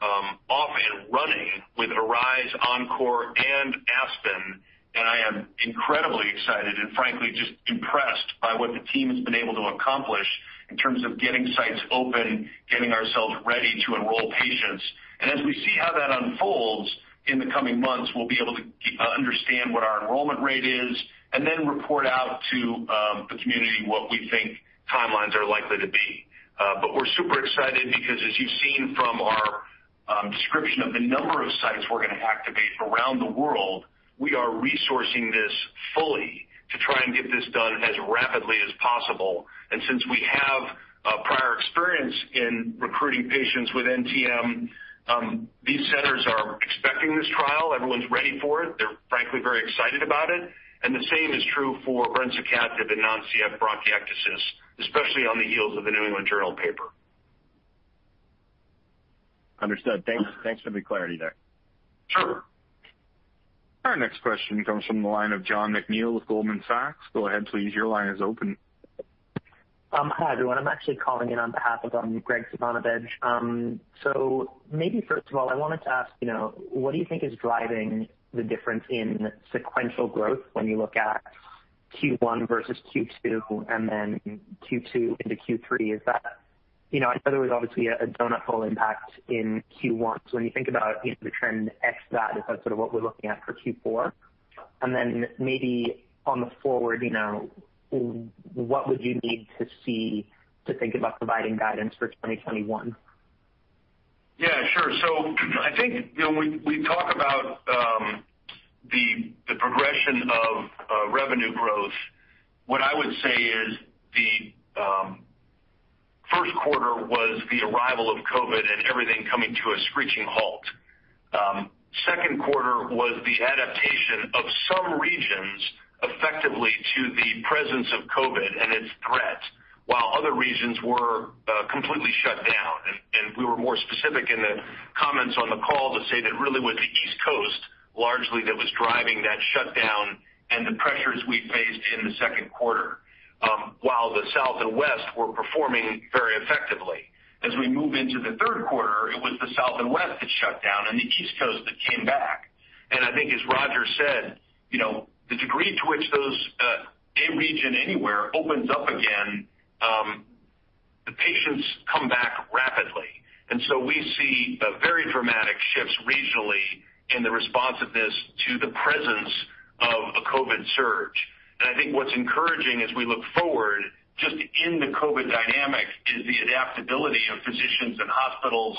off and running with ARISE, ENCORE, and ASPEN, and I am incredibly excited and frankly just impressed by what the team has been able to accomplish in terms of getting sites open, getting ourselves ready to enroll patients. As we see how that unfolds in the coming months, we'll be able to understand what our enrollment rate is and then report out to the community what we think timelines are likely to be. We're super excited because as you've seen from our description of the number of sites we're going to activate around the world, we are resourcing this fully to try and get this done as rapidly as possible. Since we have prior experience in recruiting patients with NTM, these centers are expecting this trial. Everyone's ready for it. They're frankly very excited about it. The same is true for brensocatib and non-CF bronchiectasis, especially on the heels of the New England Journal paper. Understood. Thanks for the clarity there. Sure. Our next question comes from the line of John McNeil with Goldman Sachs. Hi, everyone. I'm actually calling in on behalf of Graig Suvannavejh. Maybe first of all, I wanted to ask what do you think is driving the difference in sequential growth when you look at Q1 versus Q2 and then Q2 into Q3? I know there was obviously a donut hole impact in Q1. When you think about the trend ex that, if that's sort of what we're looking at for Q4. Then maybe on the forward, what would you need to see to think about providing guidance for 2021? Yeah, sure. I think when we talk about the progression of revenue growth, what I would say is the first quarter was the arrival of COVID and everything coming to a screeching halt. Second quarter was the adaptation of some regions effectively to the presence of COVID and its threat while other regions were completely shut down. We were more specific in the comments on the call to say that really was the East Coast largely that was driving that shutdown and the pressures we faced in the second quarter while the South and West were performing very effectively. As we move into the third quarter, it was the South and West that shut down and the East Coast that came back. I think as Roger said, the degree to which a region anywhere opens up again, the patients come back rapidly. We see very dramatic shifts regionally in the responsiveness to the presence of a COVID surge. I think what's encouraging as we look forward, just in the COVID dynamics, is the adaptability of physicians and hospitals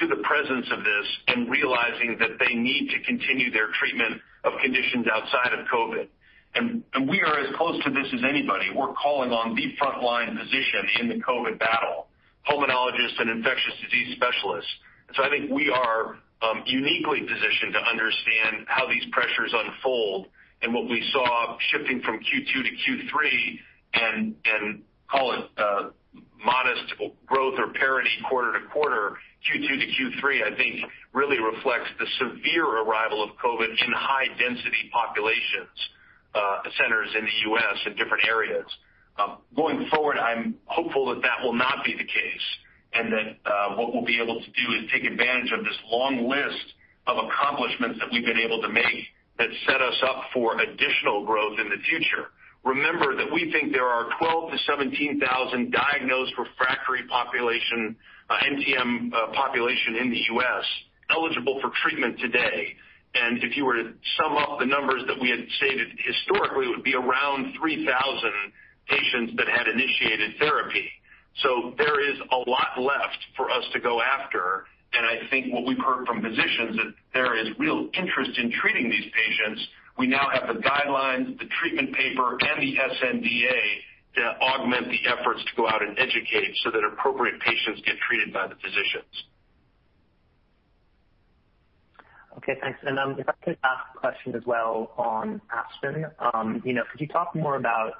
to the presence of this and realizing that they need to continue their treatment of conditions outside of COVID. We are as close to this as anybody. We're calling on the frontline physicians in the COVID battle, pulmonologists and infectious disease specialists. I think we are uniquely positioned to understand how these pressures unfold and what we saw shifting from Q2 to Q3 and call it modest growth or parity quarter-to-quarter, Q2 to Q3, I think really reflects the severe arrival of COVID in high-density populations centers in the U.S. and different areas. Going forward, I'm hopeful that that will not be the case, and that what we'll be able to do is take advantage of this long list of accomplishments that we've been able to make that set us up for additional growth in the future. Remember that we think there are 12,000 to 17,000 diagnosed refractory population, NTM population in the U.S. eligible for treatment today. If you were to sum up the numbers that we had stated historically, it would be around 3,000 patients that had initiated therapy. There is a lot left for us to go after, and I think what we've heard from physicians that there is real interest in treating these patients. We now have the guidelines, the treatment paper, and the sNDA to augment the efforts to go out and educate so that appropriate patients get treated by the physicians. Okay, thanks. If I could ask a question as well on ASPEN. Could you talk more about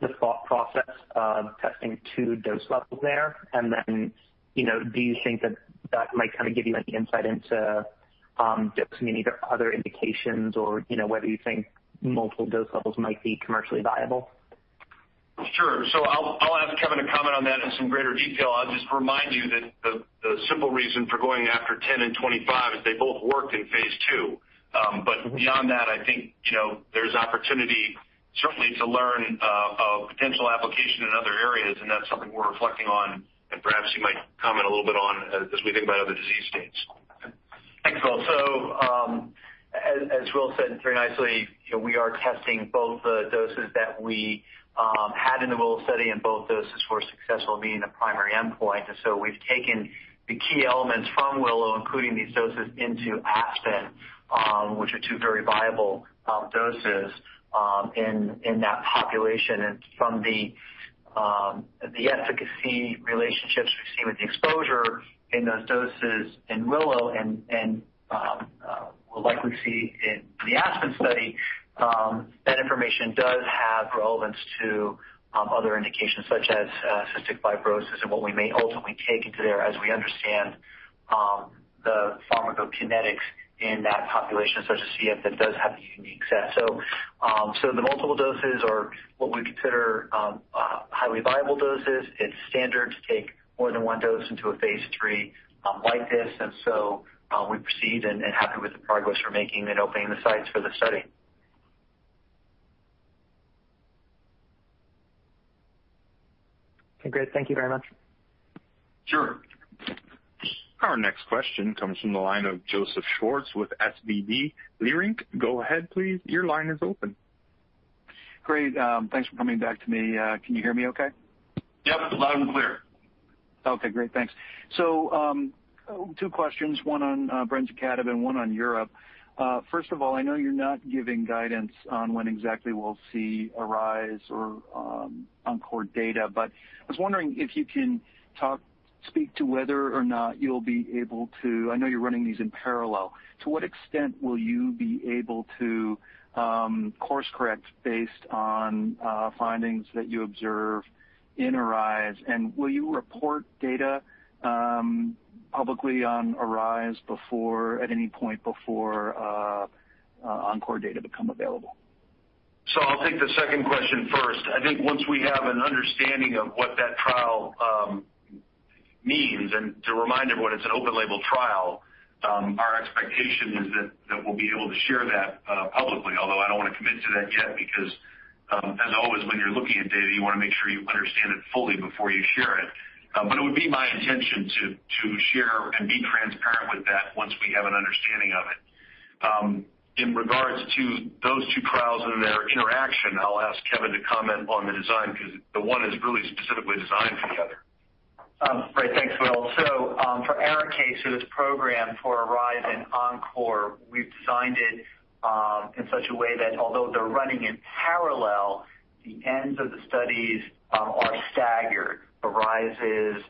the thought process of testing two dose levels there? Do you think that that might kind of give you any insight into dosing in either other indications or whether you think multiple dose levels might be commercially viable? Sure. I'll ask Kevin to comment on that in some greater detail. I'll just remind you that the simple reason for going after 10 and 25 is they both worked in phase II. Beyond that, I think there's opportunity certainly to learn of potential application in other areas, and that's something we're reflecting on and perhaps you might comment a little bit on as we think about other disease states. Thanks, Will. As Will said very nicely, we are testing both doses that we had in the WILLOW study, both doses were successful in meeting the primary endpoint. We've taken the key elements from WILLOW, including these doses, into ASPEN, which are two very viable doses in that population. From the efficacy relationships we've seen with the exposure in those doses in WILLOW and we'll likely see in the ASPEN study, that information does have relevance to other indications such as cystic fibrosis and what we may ultimately take into there as we understand the pharmacokinetics in that population, to see if it does have a unique set. The multiple doses are what we consider highly viable doses. It's standard to take more than one dose into a phase III like this. We proceed and happy with the progress we're making in opening the sites for the study. Okay, great. Thank you very much. Sure. Our next question comes from the line of Joseph Schwartz with SVB Leerink. Go ahead, please. Your line is open. Great. Thanks for coming back to me. Can you hear me okay? Yep. Loud and clear. Okay, great. Thanks. Two questions, one on brensocatib and one on Europe. First of all, I know you're not giving guidance on when exactly we'll see ARISE or ENCORE data, but I was wondering if you can speak to whether or not you'll be able to, I know you're running these in parallel. To what extent will you be able to course correct based on findings that you observe in ARISE, and will you report data publicly on ARISE at any point before ENCORE data become available? I'll take the second question first. I think once we have an understanding of what that trial means, and to remind everyone, it's an open label trial. Our expectation is that we'll be able to share that publicly, although I don't want to commit to that yet because as always, when you're looking at data, you want to make sure you understand it fully before you share it. It would be my intention to share and be transparent with that once we have an understanding of it. In regards to those two trials and their interaction, I'll ask Kevin to comment on the design because the one is really specifically designed for the other. Great. Thanks, Will. For our case for this program, for ARISE and ENCORE, we've designed it in such a way that although they're running in parallel, the ends of the studies are staggered. ARISE is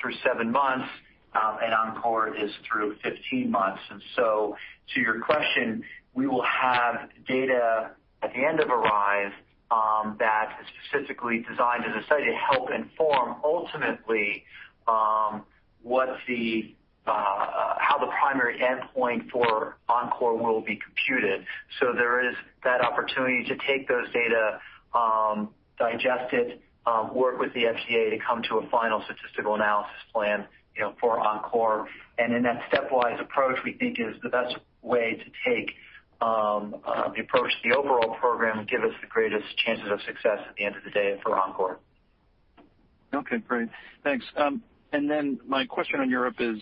through seven months, and ENCORE is through 15 months. To your question, we will have data at the end of ARISE that is specifically designed as a study to help inform ultimately what the primary endpoint for ENCORE will be computed. There is that opportunity to take those data, digest it, work with the FDA to come to a final statistical analysis plan for ENCORE. In that stepwise approach, we think is the best way to take the approach to the overall program and give us the greatest chances of success at the end of the day for ENCORE. Okay, great. Thanks. My question on Europe is,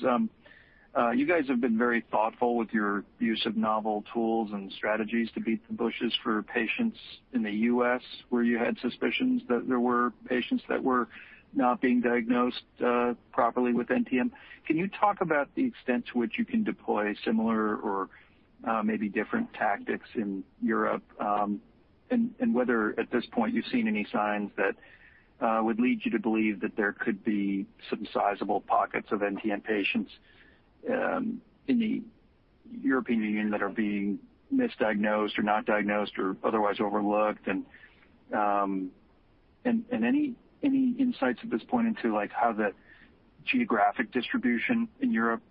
you guys have been very thoughtful with your use of novel tools and strategies to beat the bushes for patients in the U.S., where you had suspicions that there were patients that were not being diagnosed properly with NTM. Can you talk about the extent to which you can deploy similar or maybe different tactics in Europe? Whether, at this point, you've seen any signs that would lead you to believe that there could be some sizable pockets of NTM patients in the European Union that are being misdiagnosed or not diagnosed or otherwise overlooked. Any insights at this point into how the geographic distribution in Europe,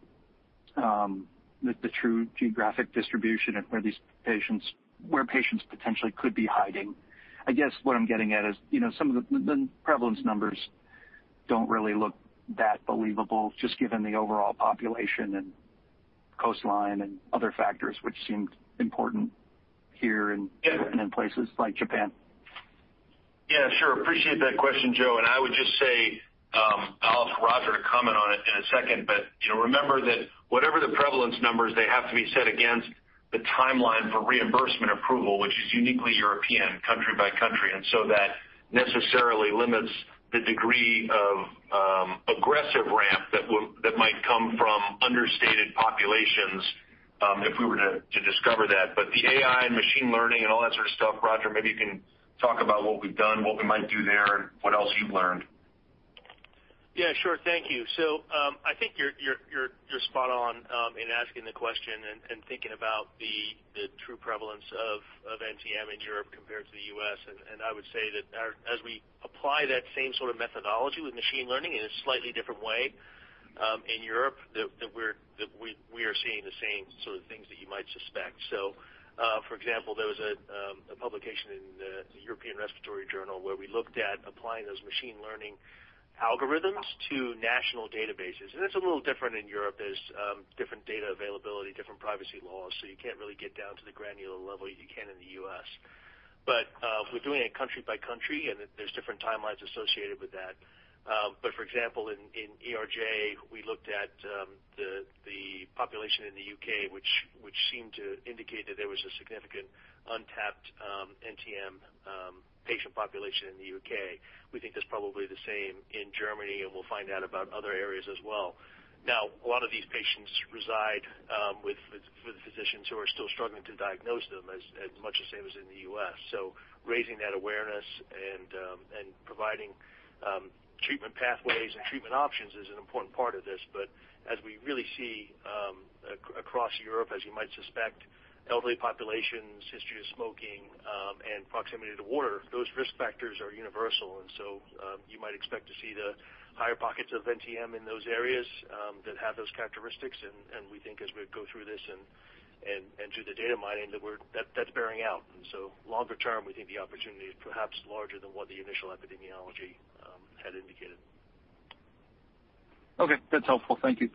the true geographic distribution and where patients potentially could be hiding? I guess what I'm getting at is some of the prevalence numbers don't really look that believable, just given the overall population and coastline and other factors which seemed important here. Yeah. In places like Japan. Yeah, sure. Appreciate that question, Joe. I would just say, I'll ask Roger to comment on it in a second, but remember that whatever the prevalence numbers, they have to be set against the timeline for reimbursement approval, which is uniquely European, country by country. That necessarily limits the degree of aggressive ramp that might come from understated populations if we were to discover that. The AI and machine learning and all that sort of stuff, Roger, maybe you can talk about what we've done, what we might do there, and what else you've learned. Yeah, sure. Thank you. I think you're spot on in asking the question and thinking about the true prevalence of NTM in Europe compared to the U.S. I would say that as we apply that same sort of methodology with machine learning in a slightly different way in Europe, that we are seeing the same sort of things that you might suspect. For example, there was a publication in the European Respiratory Journal where we looked at applying those machine learning algorithms to national databases. That's a little different in Europe. There's different data availability, different privacy laws, so you can't really get down to the granular level you can in the U.S. We're doing it country by country, and there's different timelines associated with that. For example, in ERJ, we looked at the population in the U.K., which seemed to indicate that there was a significant untapped NTM patient population in the U.K. We think that's probably the same in Germany, and we'll find out about other areas as well. A lot of these patients reside with physicians who are still struggling to diagnose them as much the same as in the U.S. Raising that awareness and providing treatment pathways and treatment options is an important part of this. As we really see across Europe, as you might suspect, elderly populations, history of smoking, and proximity to water, those risk factors are universal. You might expect to see the higher pockets of NTM in those areas that have those characteristics. We think as we go through this and through the data mining, that's bearing out. Longer term, we think the opportunity is perhaps larger than what the initial epidemiology had indicated. Okay, that's helpful. Thank you.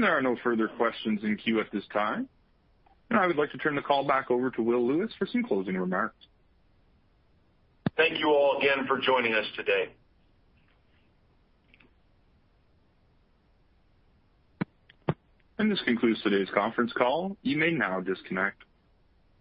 There are no further questions in queue at this time. I would like to turn the call back over to Will Lewis for some closing remarks. Thank you all again for joining us today. This concludes today's conference call. You may now disconnect.